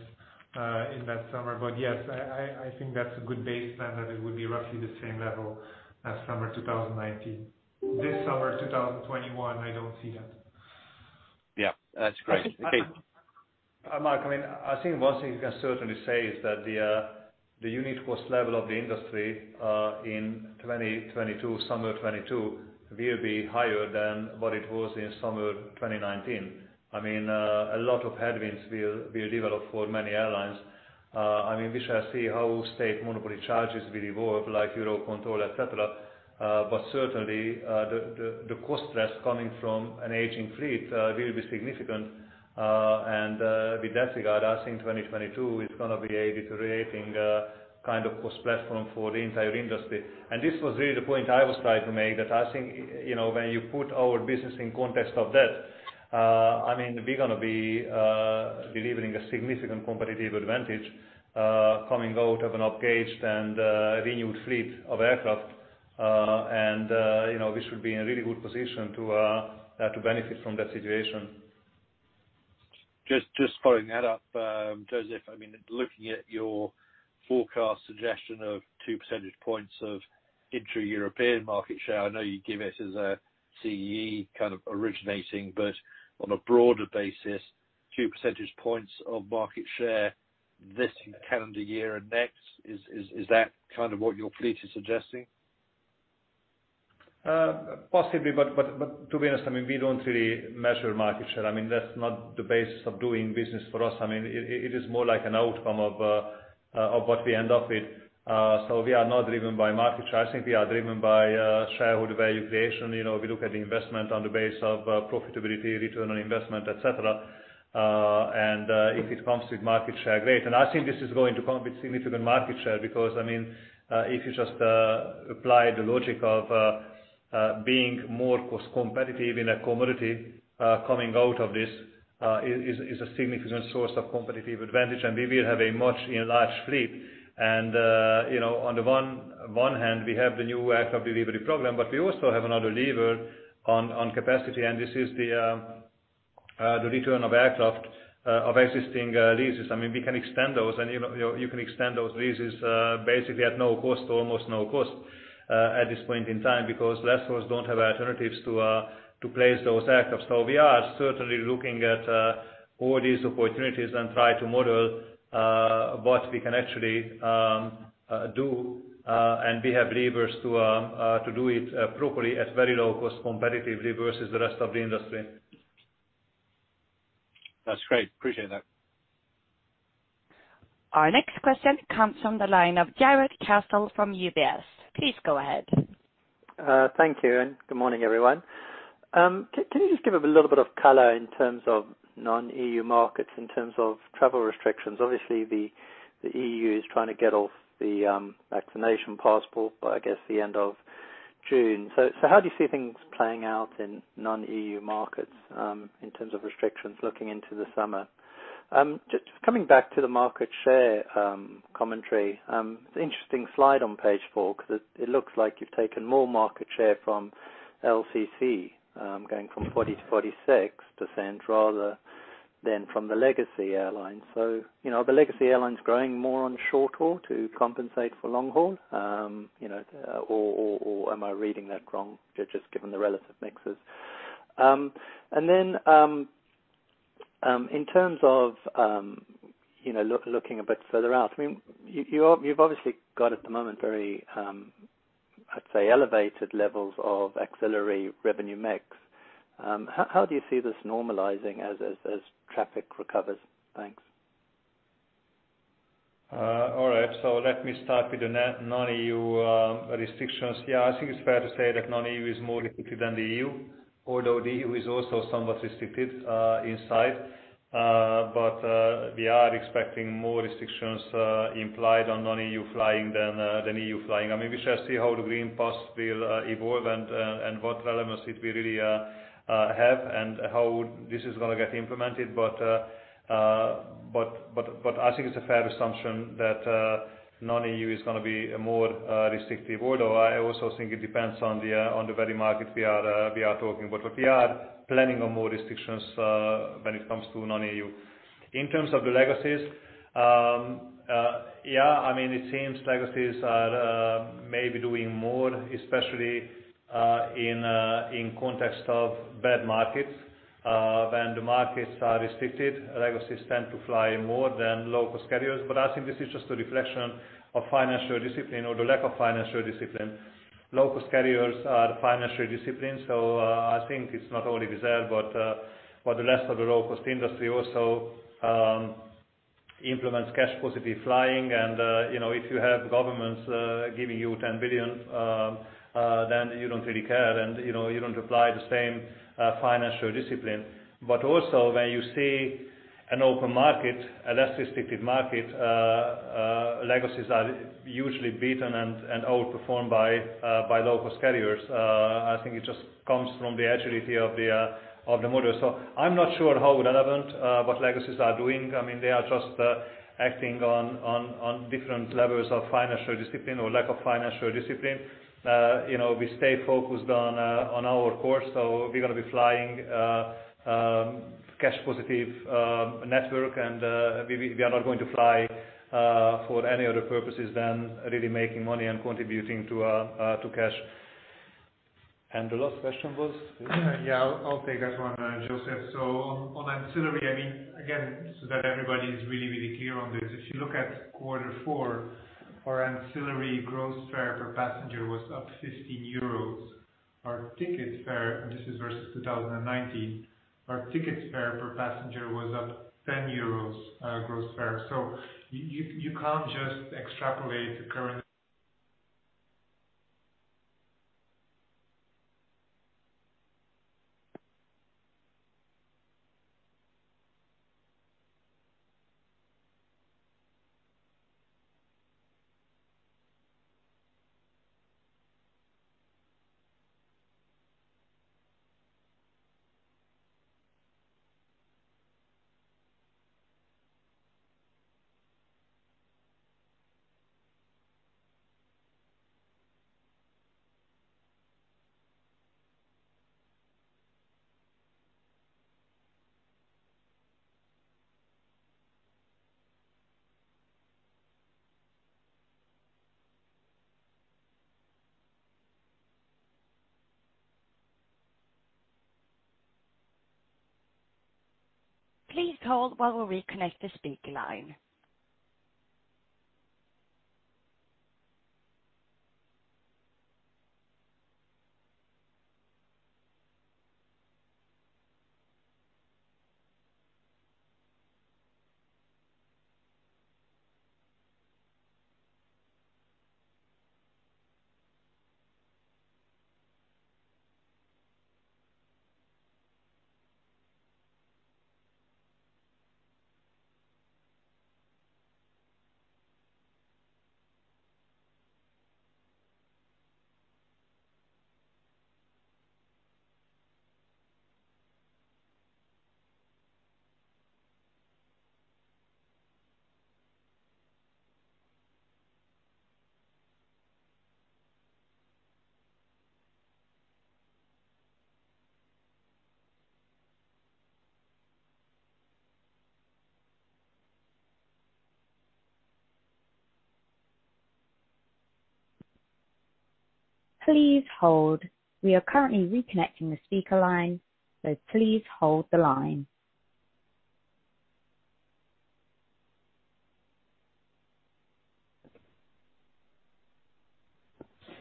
Speaker 3: in that summer. Yes, I think that's a good baseline, that it would be roughly the same level as summer 2019. This summer 2021, I don't see that.
Speaker 5: Yeah. That's great. Okay.
Speaker 2: Mark, I think one thing you can certainly say is that the unit cost level of the industry in 2022, summer 2022, will be higher than what it was in summer 2019. A lot of headwinds will develop for many airlines. We shall see how state monopoly charges will evolve, like Eurocontrol, et cetera. Certainly, the cost stress coming from an aging fleet will be significant. With that regard, I think 2022 is going to be a deteriorating kind of cost platform for the entire industry. This was really the point I was trying to make, that I think when you put our business in context of that, we're going to be delivering a significant competitive advantage coming out of an up-gauged and renewed fleet of aircraft. We should be in a really good position to benefit from that situation.
Speaker 5: Just following that up, József, looking at your forecast suggestion of 2 percentage points of intra-European market share, I know you give it as a CEE kind of originating, but on a broader basis, 2 percentage points of market share this calendar year and next. Is that kind of what your fleet is suggesting?
Speaker 2: Possibly, but to be honest, we don't really measure market share. That's not the basis of doing business for us. It is more like an outcome of what we end up with. We are not driven by market share. I think we are driven by shareholder value creation. We look at the investment on the base of profitability, return on investment, et cetera. If it comes with market share, great. I think this is going to come with significant market share, because if you just apply the logic of being more cost competitive in a commodity coming out of this, is a significant source of competitive advantage, and we will have a much enlarged fleet. On the one hand, we have the new aircraft delivery program, but we also have another lever on capacity, and this is the return of aircraft of existing leases. We can extend those, and you can extend those leases basically at no cost, almost no cost at this point in time, because lessors don't have alternatives to place those aircrafts. We are certainly looking at all these opportunities and try to model what we can actually do, and we have levers to do it properly at very low cost competitively versus the rest of the industry.
Speaker 5: That's great. Appreciate that.
Speaker 1: Our next question comes from the line of Jarrod Castle from UBS. Please go ahead.
Speaker 6: Thank you. Good morning, everyone. Can you just give a little bit of color in terms of non-EU markets, in terms of travel restrictions? Obviously, the EU is trying to get off the vaccination passport by, I guess, the end of June. How do you see things playing out in non-EU markets in terms of restrictions looking into the summer? Just coming back to the market share commentary, it's an interesting slide on page four, because it looks like you've taken more market share from LCC, going from 40%-46%, rather than from the legacy airlines. Are the legacy airlines growing more on short-haul to compensate for long-haul? Am I reading that wrong, just given the relative mixes? In terms of looking a bit further out. You've obviously got at the moment very, I'd say, elevated levels of ancillary revenue mix. How do you see this normalizing as traffic recovers? Thanks.
Speaker 2: All right. Let me start with the non-EU restrictions. Yeah, I think it's fair to say that non-EU is more restricted than the EU, although the EU is also somewhat restricted inside. We are expecting more restrictions implied on non-EU flying than EU flying. We shall see how the green pass will evolve and what relevance it will really have, and how this is going to get implemented. I think it's a fair assumption that non-EU is going to be more restrictive, although I also think it depends on the very market we are talking about. We are planning on more restrictions when it comes to non-EU. In terms of the legacies, it seems legacies are maybe doing more, especially in context of bad markets. When the markets are restricted, legacies tend to fly more than low-cost carriers. I think this is just a reflection of financial discipline or the lack of financial discipline. Low-cost carriers are financially disciplined, so I think it's not only Wizz Air, but the rest of the low-cost industry also implements cash positive flying and if you have governments giving you 10 billion, then you don't really care, and you don't apply the same financial discipline. Also, when you see an open market, a less restricted market, legacies are usually beaten and outperformed by low-cost carriers. I think it just comes from the agility of the model. I'm not sure how relevant what legacies are doing. They are just acting on different levels of financial discipline or lack of financial discipline. We stay focused on our course, so we are going to be flying cash positive network, and we are not going to fly for any other purposes than really making money and contributing to cash. The last question was?
Speaker 3: Yeah. I'll take that one, József. On ancillary, again, so that everybody is really clear on this. If you look at quarter four, our ancillary gross fare per passenger was up 15 euros. Our ticket fare, this is versus 2019, our ticket fare per passenger was up 10 euros gross fare. You can't just extrapolate the current.
Speaker 1: Please hold while we connect the speaker line. Please hold. We are currently reconnecting the speaker line, so please hold the line.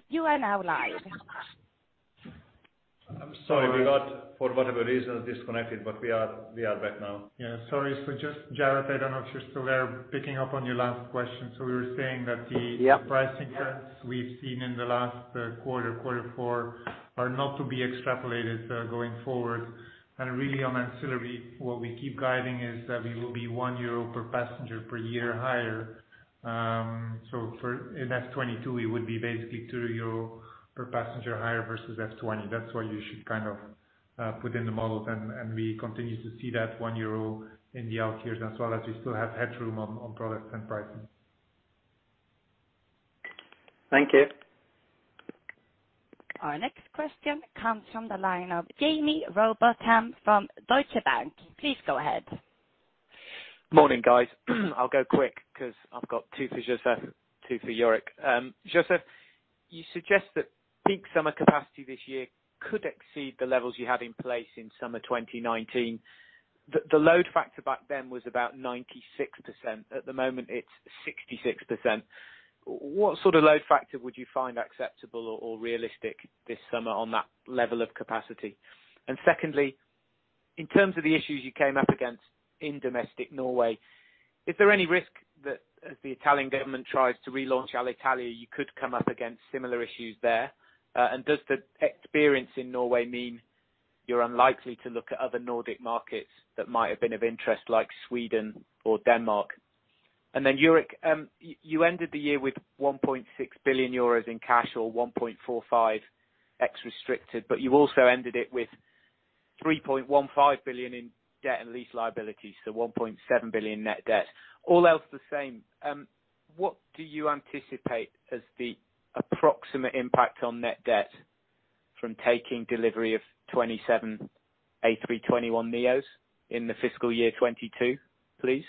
Speaker 1: You are now live.
Speaker 2: I'm sorry. We got, for whatever reason, disconnected, but we are back now.
Speaker 3: Yeah. Sorry. Just, Jarrod, I don't know if you're still there, picking up on your last question. We were saying that the-
Speaker 6: Yep
Speaker 3: -the pricing trends we've seen in the last quarter four, are not to be extrapolated going forward. Really on ancillary, what we keep guiding is that we will be 1 euro per passenger per year higher. In FY 2022 we would be basically 2 euro per passenger higher versus FY 2020. That's why you should put in the models, and we continue to see that 1 euro in the out years as well as we still have headroom on products and pricing.
Speaker 6: Thank you.
Speaker 1: Our next question comes from the line of Jaime Rowbotham from Deutsche Bank. Please go ahead.
Speaker 7: Morning, guys. I'll go quick because I've got two for József, two for Jourik. József, you suggest that peak summer capacity this year could exceed the levels you had in place in summer 2019. The load factor back then was about 96%. At the moment, it's 66%. What sort of load factor would you find acceptable or realistic this summer on that level of capacity? Secondly, in terms of the issues you came up against in domestic Norway, is there any risk that as the Italian government tries to relaunch Alitalia, you could come up against similar issues there? Does the experience in Norway mean you're unlikely to look at other Nordic markets that might have been of interest, like Sweden or Denmark? Jourik, you ended the year with 1.6 billion euros in cash, or 1.45 ex restricted, but you also ended it with 3.15 billion in debt and lease liabilities, so 1.7 billion net debt. All else the same, what do you anticipate as the approximate impact on net debt from taking delivery of 27 A321neos in the fiscal year 2022, please?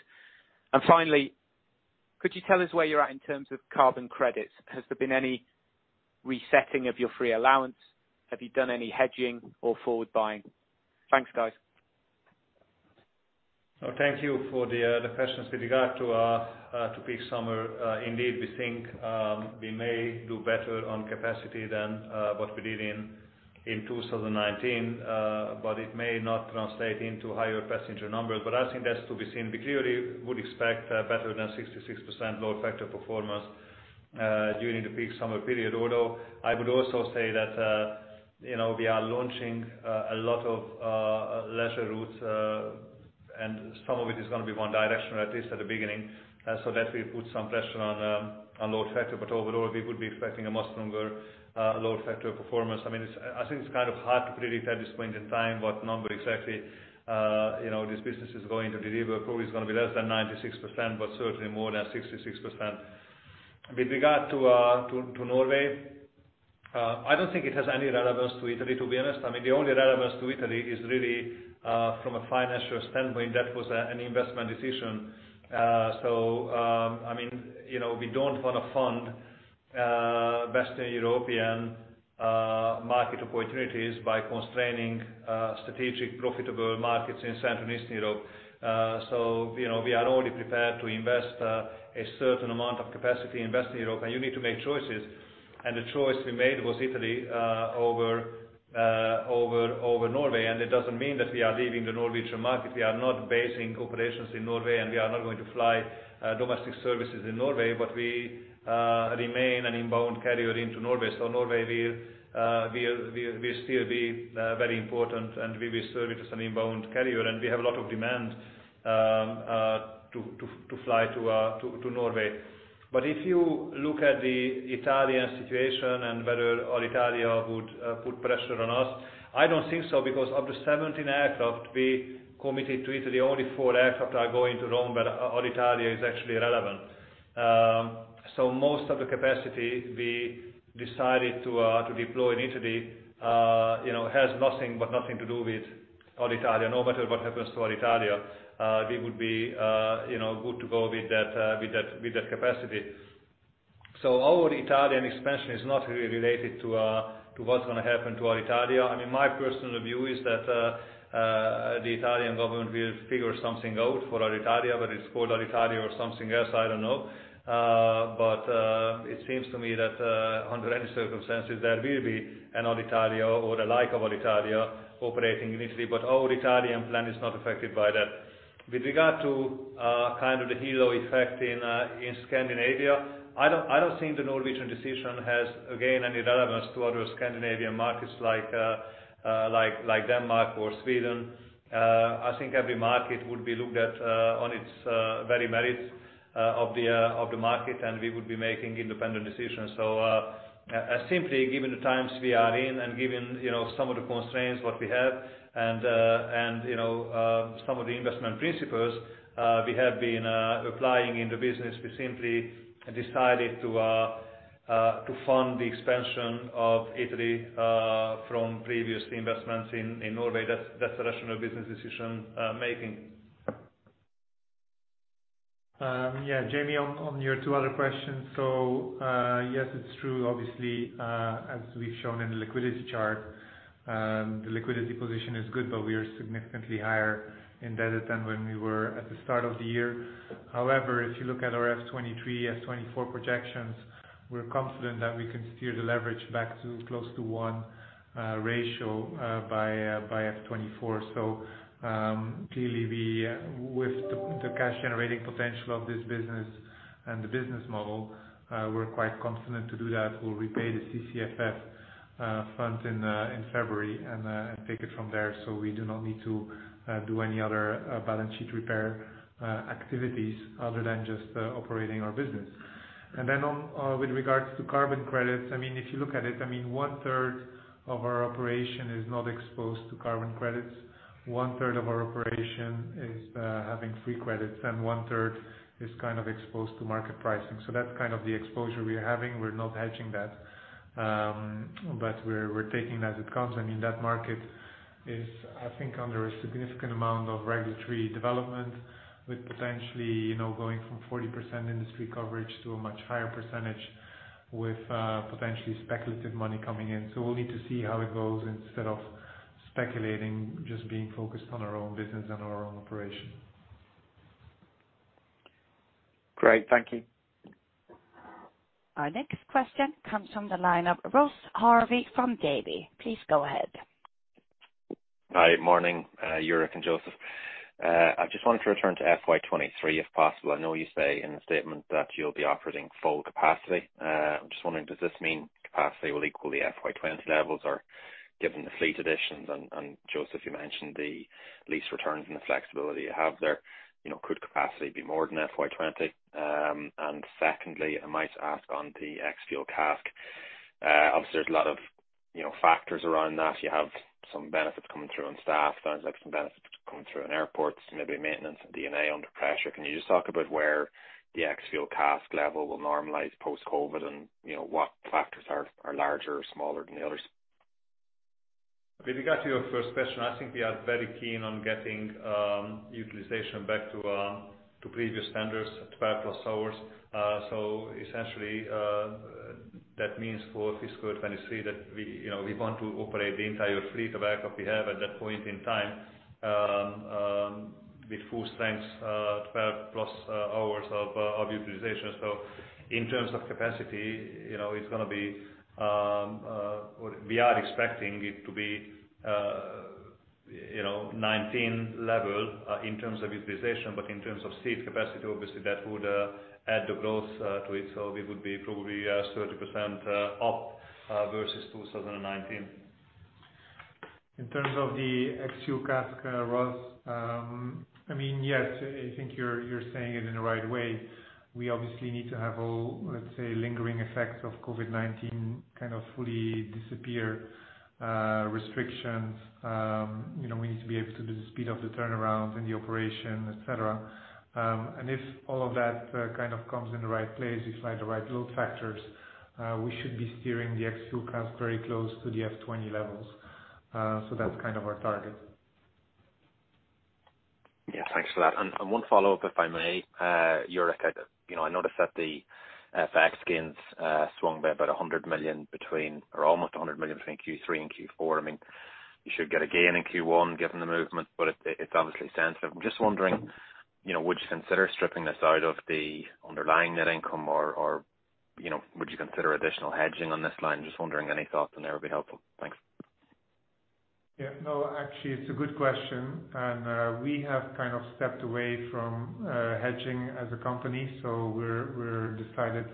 Speaker 7: Finally, could you tell us where you're at in terms of carbon credits? Has there been any resetting of your free allowance? Have you done any hedging or forward buying? Thanks, guys.
Speaker 2: Thank you for the questions. With regard to peak summer, indeed, we think we may do better on capacity than what we did in 2019, but it may not translate into higher passenger numbers. I think that's to be seen. We clearly would expect better than 66% load factor performance during the peak summer period. Although I would also say that we are launching a lot of leisure routes, and some of it is going to be one directional, at least at the beginning. That will put some pressure on load factor. Overall, we would be expecting a much stronger load factor performance. I think it's kind of hard to predict at this point in time what number exactly this business is going to deliver. Probably it's going to be less than 96%, but certainly more than 66%. With regard to Norway, I don't think it has any relevance to Italy, to be honest. The only relevance to Italy is really from a financial standpoint. That was an investment decision. We don't want to fund Western European market opportunities by constraining strategic profitable markets in Central Eastern Europe. We are only prepared to invest a certain amount of capacity in Western Europe, and you need to make choices, and the choice we made was Italy over Norway. It doesn't mean that we are leaving the Norwegian market. We are not basing operations in Norway, and we are not going to fly domestic services in Norway, but we remain an inbound carrier into Norway. Norway will still be very important, and we will serve it as an inbound carrier. We have a lot of demand to fly to Norway. If you look at the Italian situation and whether Alitalia would put pressure on us, I don't think so because of the 17 aircraft we committed to Italy, only four aircraft are going to Rome where Alitalia is actually relevant. Most of the capacity we decided to deploy in Italy has nothing to do with Alitalia. No matter what happens to Alitalia, we would be good to go with that capacity. Our Italian expansion is not really related to what's going to happen to Alitalia. My personal view is that the Italian government will figure something out for Alitalia, whether it's called Alitalia or something else, I don't know. It seems to me that under any circumstances, there will be an Alitalia or the like of Alitalia operating in Italy, but our Italian plan is not affected by that. With regard to kind of the halo effect in Scandinavia, I don't think the Norwegian decision has, again, any relevance to other Scandinavian markets like Denmark or Sweden. I think every market would be looked at on its very merits of the market, and we would be making independent decisions. Simply given the times we are in and given some of the constraints that we have and some of the investment principles we have been applying in the business, we simply decided to fund the expansion of Italy from previous investments in Norway. That's a rational business decision-making.
Speaker 3: Jaime, on your two other questions. Yes, it's true, obviously, as we've shown in the liquidity chart, the liquidity position is good, but we are significantly higher indebted than when we were at the start of the year. If you look at our FY 2023, FY 2024 projections, we're confident that we can steer the leverage back to close to 1 ratio by FY 2024. Clearly with the cash-generating potential of this business and the business model, we're quite confident to do that. We'll repay the CCFF fund in February and take it from there. We do not need to do any other balance sheet repair activities other than just operating our business. With regards to carbon credits, if you look at it, 1/3 of our operation is not exposed to carbon credits. One-third of our operation is having free credits, and 1/3 is kind of exposed to market pricing. That's kind of the exposure we are having. We're not hedging that, but we're taking it as it comes. That market is, I think, under a significant amount of regulatory development with potentially going from 40% industry coverage to a much higher percentage with potentially speculative money coming in. We'll need to see how it goes instead of speculating, just being focused on our own business and our own operation.
Speaker 7: Great. Thank you.
Speaker 1: Our next question comes from the line of Ross Harvey from Davy. Please go ahead.
Speaker 8: Hi. Morning, Jourik and József. I just wanted to return to FY 2023, if possible. I know you say in the statement that you'll be operating full capacity. I'm just wondering, does this mean capacity will equal the FY 2020 levels? Given the fleet additions, and József, you mentioned the lease returns and the flexibility you have there, could capacity be more than FY 2020? Secondly, I might ask on the Ex-Fuel CASK. Obviously, there's a lot of factors around that. You have some benefits coming through on staff, benefits coming through on airports, maybe maintenance and D&A under pressure. Can you just talk about where the Ex-Fuel CASK level will normalize post-COVID and what factors are larger or smaller than the others?
Speaker 2: With regard to your first question, I think we are very keen on getting utilization back to previous standards at 12+ hours. Essentially, that means for fiscal 2023 that we want to operate the entire fleet of aircraft we have at that point in time with full strength, 12+ hours of utilization. In terms of capacity, we are expecting it to be 2019 level in terms of utilization, but in terms of seat capacity, obviously that would add the growth to it. We would be probably 30% up versus 2019.
Speaker 3: In terms of the Ex-Fuel CASK, Ross, yes, I think you're saying it in the right way. We obviously need to have all, let's say, lingering effects of COVID-19 kind of fully disappear. Restrictions. We need to be able to do the speed of the turnaround and the operation, et cetera. If all of that kind of comes in the right place, we find the right load factors, we should be steering the Ex-Fuel CASK very close to the FY 2020 levels. That's kind of our target.
Speaker 8: Yeah, thanks for that. One follow-up, if I may. Jourik, I noticed that the FX gains swung by about 100 million between, or almost 100 million between Q3 and Q4. You should get a gain in Q1 given the movement, but it's obviously sensitive. I'm just wondering, would you consider stripping this out of the underlying net income or would you consider additional hedging on this line? Just wondering, any thoughts on there would be helpful. Thanks.
Speaker 3: Actually, it's a good question. We have kind of stepped away from hedging as a company. We decided,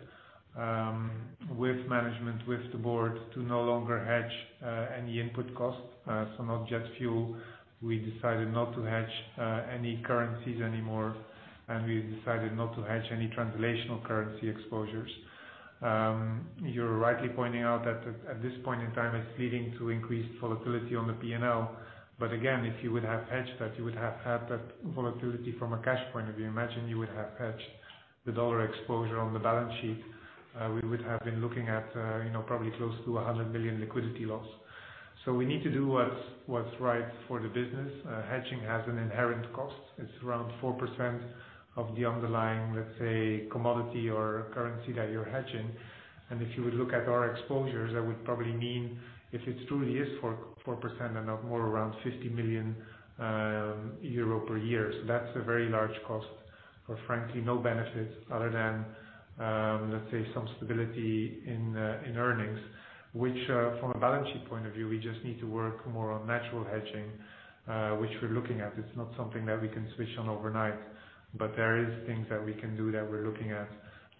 Speaker 3: with management, with the board, to no longer hedge any input costs. Not jet fuel. We decided not to hedge any currencies anymore, and we decided not to hedge any translational currency exposures. You're rightly pointing out that at this point in time, it's leading to increased volatility on the P&L. Again, if you would have hedged that, you would have had that volatility from a cash point of view. Imagine you would have hedged the dollar exposure on the balance sheet, we would have been looking at probably close to $100 million liquidity loss. We need to do what's right for the business. Hedging has an inherent cost. It's around 4% of the underlying, let's say, commodity or currency that you're hedging. If you would look at our exposures, that would probably mean if it truly is 4% and not more, around 50 million euro per year. That's a very large cost for frankly, no benefit other than, let's say, some stability in earnings. Which from a balance sheet point of view, we just need to work more on natural hedging, which we're looking at. It's not something that we can switch on overnight, but there is things that we can do that we're looking at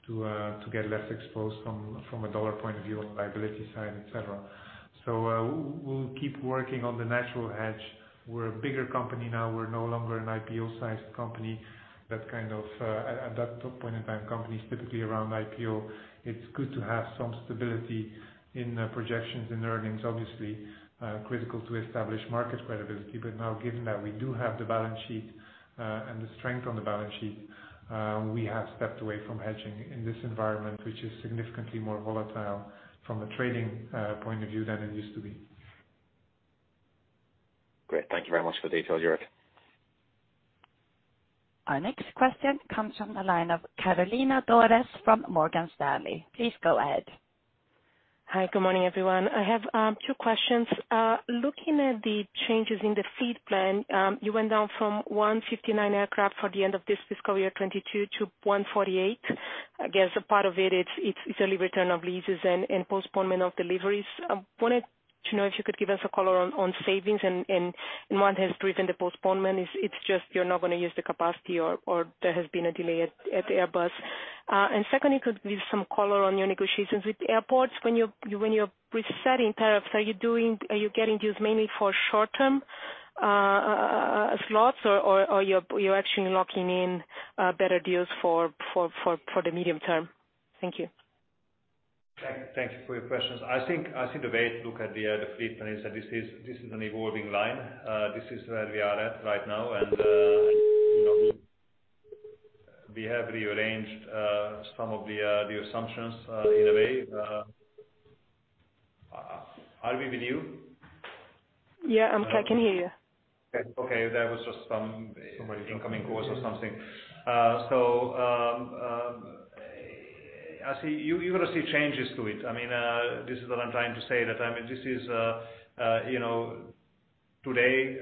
Speaker 3: to get less exposed from a U.S. dollar point of view on the liability side, et cetera. We'll keep working on the natural hedge. We're a bigger company now. We're no longer an IPO-sized company. At that point in time, companies typically around IPO, it's good to have some stability in projections, in earnings, obviously. Critical to establish market credibility. Now, given that we do have the balance sheet and the strength on the balance sheet, we have stepped away from hedging in this environment, which is significantly more volatile from a trading point of view than it used to be.
Speaker 8: Great. Thank you very much for the detail, Jourik.
Speaker 1: Our next question comes from the line of Carolina Dores from Morgan Stanley. Please go ahead.
Speaker 9: Hi. Good morning, everyone. I have two questions. Looking at the changes in the fleet plan, you went down from 159 aircraft for the end of this fiscal year 2022 to 148. I guess a part of it's early return of leases and postponement of deliveries. I wanted to know if you could give us a color on savings and what has driven the postponement. It's just you're not going to use the capacity or there has been a delay at Airbus? Secondly, could you give some color on your negotiations with airports when you're resetting tariffs? Are you getting deals mainly for short-term slots or you're actually locking in better deals for the medium term? Thank you.
Speaker 2: Thank you for your questions. I think the way to look at the fleet plan is that this is an evolving line. This is where we are at right now, and we have rearranged some of the assumptions in a way. Are we with you?
Speaker 9: Yeah. I'm clear. I can hear you.
Speaker 2: Okay. That was just some incoming calls or something. You're going to see changes to it. This is what I'm trying to say, that this is today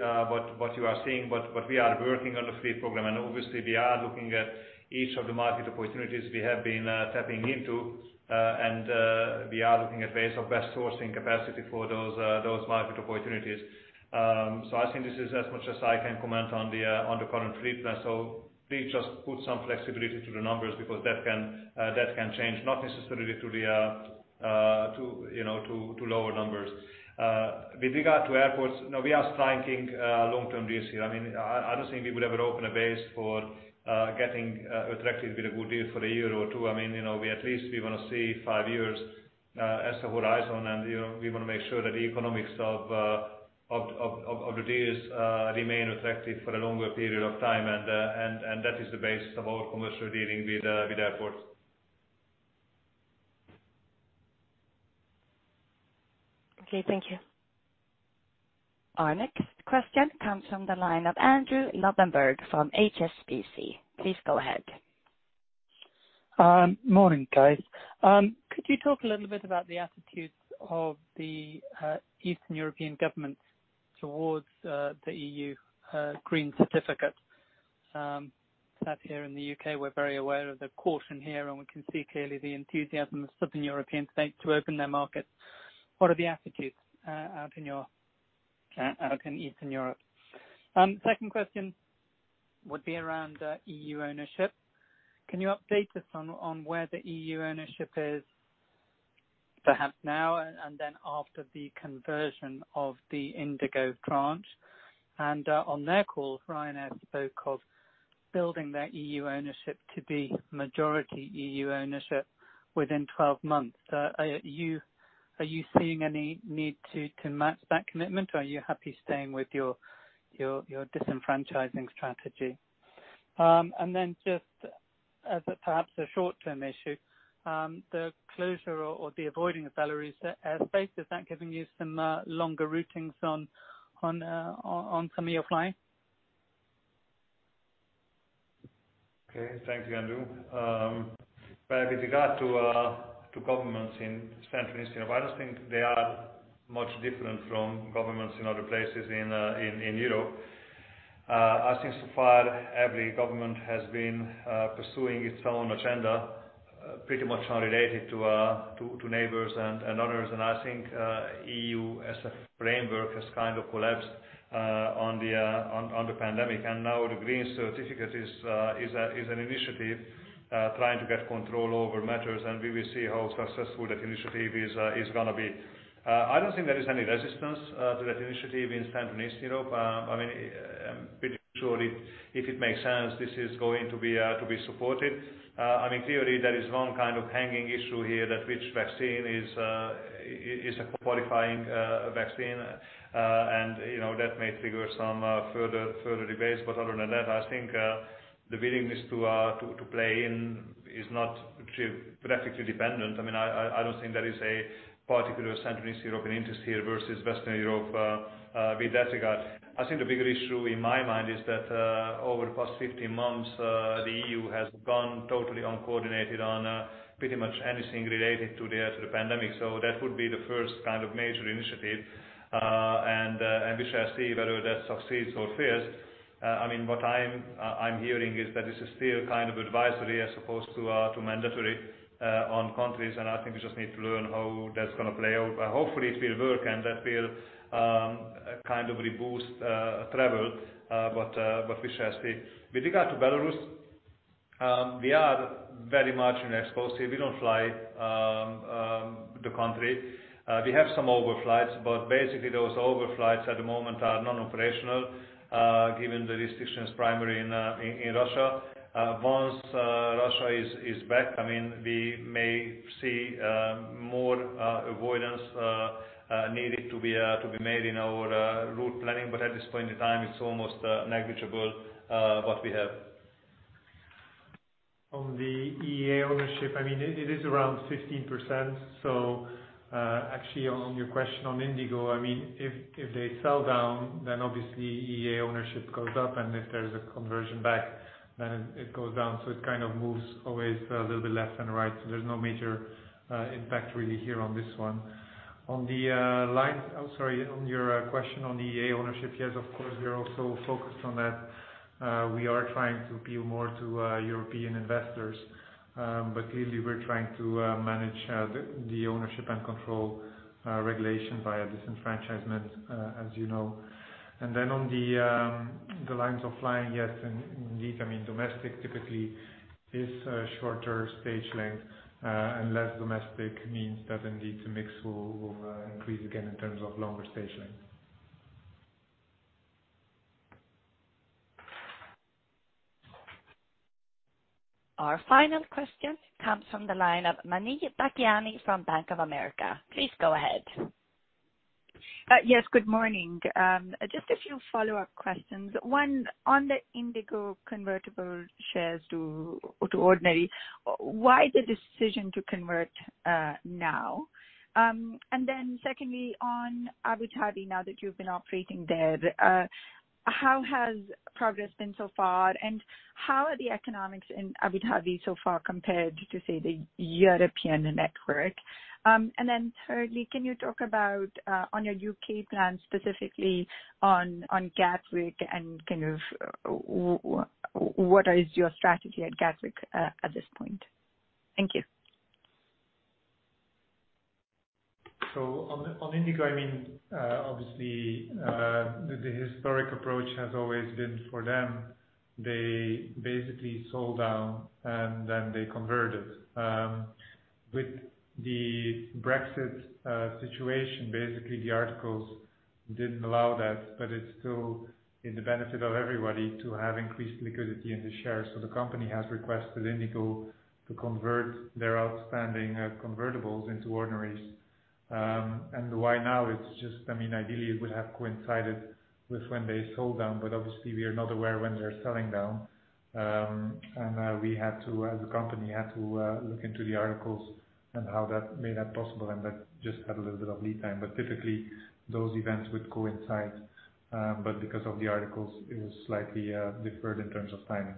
Speaker 2: what you are seeing, but we are working on the fleet program, and obviously we are looking at each of the market opportunities we have been tapping into. We are looking at ways of best sourcing capacity for those market opportunities. I think this is as much as I can comment on the current fleet plan. Please just put some flexibility to the numbers, because that can change, not necessarily to lower numbers. With regard to airports, no, we are striking long-term deals here. I don't think we would ever open a base for getting attracted with a good deal for a year or two. We at least want to see five years as a horizon, we want to make sure that the economics of the deals remain effective for a longer period of time. That is the basis of our commercial dealing with airports.
Speaker 9: Okay, thank you.
Speaker 1: Our next question comes from the line of Andrew Lobbenberg from HSBC. Please go ahead.
Speaker 10: Morning, guys. Could you talk a little bit about the attitudes of the Eastern European governments towards the EU green certificate? Perhaps here in the U.K., we're very aware of the caution here, and we can see clearly the enthusiasm of Southern European states to open their markets. What are the attitudes out in Eastern Europe? Second question would be around EU ownership. Can you update us on where the EU ownership is perhaps now and then after the conversion of the Indigo tranche? On their call, Ryanair spoke of building their EU ownership to be majority EU ownership within 12 months. Are you seeing any need to match that commitment, or are you happy staying with your disenfranchising strategy? Then just as perhaps a short-term issue, the closure or the avoiding of Belarus airspace, is that giving you some longer routings on some of your flying?
Speaker 2: Okay. Thanks, Andrew Lobbenberg. With regard to governments in Central and Eastern Europe, I don't think they are much different from governments in other places in Europe. I think so far every government has been pursuing its own agenda, pretty much unrelated to neighbors and others. I think EU as a framework has kind of collapsed on the pandemic. Now the Green Certificate is an initiative trying to get control over matters, and we will see how successful that initiative is going to be. I don't think there is any resistance to that initiative in Central and Eastern Europe. I'm pretty sure if it makes sense, this is going to be supported. Clearly, there is one kind of hanging issue here that which vaccine is a qualifying vaccine. That may trigger some further debates, other than that, I think the willingness to play in is not geographically dependent. I don't think there is a particular Central and Eastern European interest here versus Western Europe with that regard. I think the bigger issue in my mind is that over the past 15 months, the EU has gone totally uncoordinated on pretty much anything related to the pandemic. That would be the first kind of major initiative. We shall see whether that succeeds or fails. What I'm hearing is that this is still kind of advisory as opposed to mandatory on countries, and I think we just need to learn how that's going to play out. Hopefully, it will work, and that will kind of reboost travel. We shall see. With regard to Belarus, we are very much unexposed. We don't fly the country. We have some overflights. Basically, those overflights at the moment are non-operational given the restrictions primarily in Russia. Once Russia is back, we may see more avoidance needed to be made in our route planning. At this point in time, it's almost negligible what we have.
Speaker 3: On the EU ownership, it is around 15%. Actually, on your question on Indigo, if they sell down, then obviously EU ownership goes up, and if there's a conversion back, then it goes down. It kind of moves always a little bit left and right. There's no major impact really here on this one. On your question on the EU ownership, yes, of course, we are also focused on that. We are trying to appeal more to European investors. Clearly, we're trying to manage the ownership and control regulation via disenfranchisement, as you know. On the lines of flying, yes, indeed, domestic typically is shorter stage length, and less domestic means that indeed the mix will increase again in terms of longer stage length.
Speaker 1: Our final question comes from the line of Muneeba Kayani from Bank of America. Please go ahead.
Speaker 11: Yes, good morning. Just a few follow-up questions. One, on the Indigo convertible shares to ordinary, why the decision to convert now? Two, on Abu Dhabi, now that you've been operating there, how has progress been so far, and how are the economics in Abu Dhabi so far compared to, say, the European network? Three, can you talk about on your U.K. plans, specifically on Gatwick and kind of what is your strategy at Gatwick at this point? Thank you.
Speaker 3: On Indigo, obviously the historic approach has always been for them. They basically sold down and then they converted. With the Brexit situation, basically the articles didn't allow that, but it is still in the benefit of everybody to have increased liquidity in the shares. The company has requested Indigo to convert their outstanding convertibles into ordinaries. Why now? Ideally, it would have coincided with when they sold down, obviously we are not aware when they are selling down. We as a company, had to look into the articles and how that made that possible, that just had a little bit of lead time. Typically, those events would coincide. Because of the articles, it was slightly deferred in terms of timing.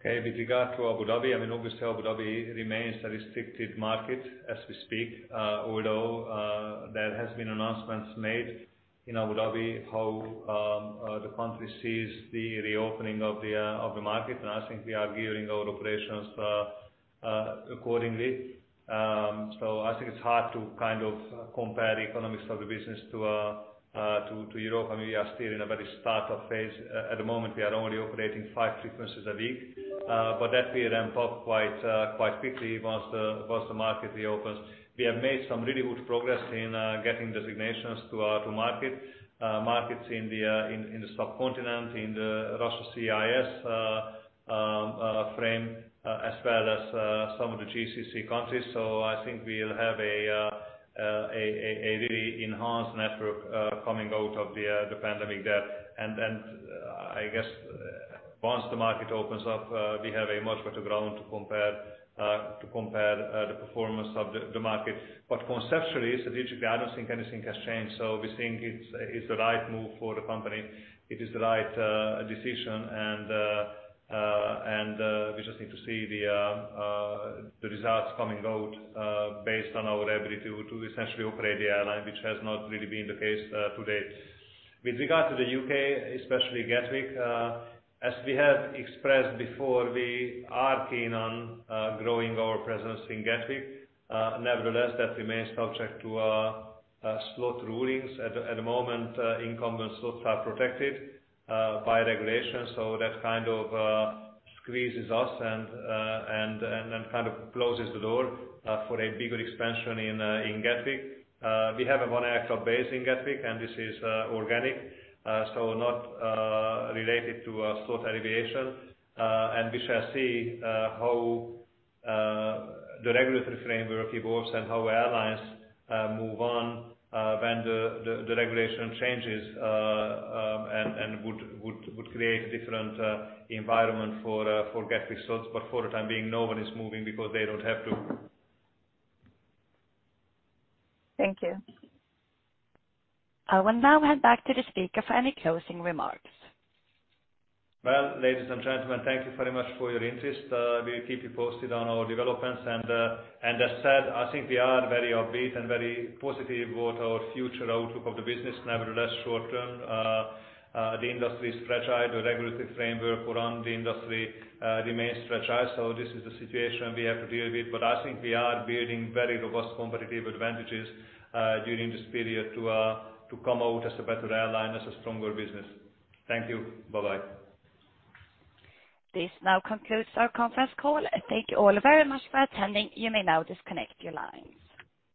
Speaker 2: Okay. With regard to Abu Dhabi, obviously Abu Dhabi remains a restricted market as we speak, although, there has been announcements made in Abu Dhabi how the country sees the reopening of the market, and I think we are gearing our operations accordingly. I think it's hard to kind of compare economics of the business to Europe. We are still in a very startup phase. At the moment, we are only operating five frequencies a week. That we'll ramp up quite quickly once the market reopens. We have made some really good progress in getting designations to markets in the sub-continent, in the Russia CIS frame, as well as some of the GCC countries. I think we'll have a really enhanced network coming out of the pandemic there. I guess once the market opens up, we have a much better ground to compare the performance of the market. Conceptually, strategically, I don't think anything has changed. We think it's the right move for the company. It is the right decision, and we just need to see the results coming out, based on our ability to essentially operate the airline, which has not really been the case to date. With regard to the U.K., especially Gatwick, as we have expressed before, we are keen on growing our presence in Gatwick. Nevertheless, that remains subject to slot rulings. At the moment, incumbent slots are protected by regulation. That kind of squeezes us and kind of closes the door for a bigger expansion in Gatwick. We have a one-aircraft base in Gatwick, and this is organic. Not related to slot alleviation. We shall see how the regulatory framework evolves and how airlines move on when the regulation changes and would create a different environment for Gatwick slots. For the time being, no one is moving because they don't have to.
Speaker 1: Thank you. I will now hand back to the speaker for any closing remarks.
Speaker 2: Well, ladies and gentlemen, thank you very much for your interest. We'll keep you posted on our developments. As said, I think we are very upbeat and very positive about our future outlook of the business. Nevertheless, short-term, the industry is fragile. The regulatory framework around the industry remains fragile. This is the situation we have to deal with, but I think we are building very robust competitive advantages during this period to come out as a better airline, as a stronger business. Thank you. Bye-bye.
Speaker 1: This now concludes our conference call. Thank you all very much for attending. You may now disconnect your lines.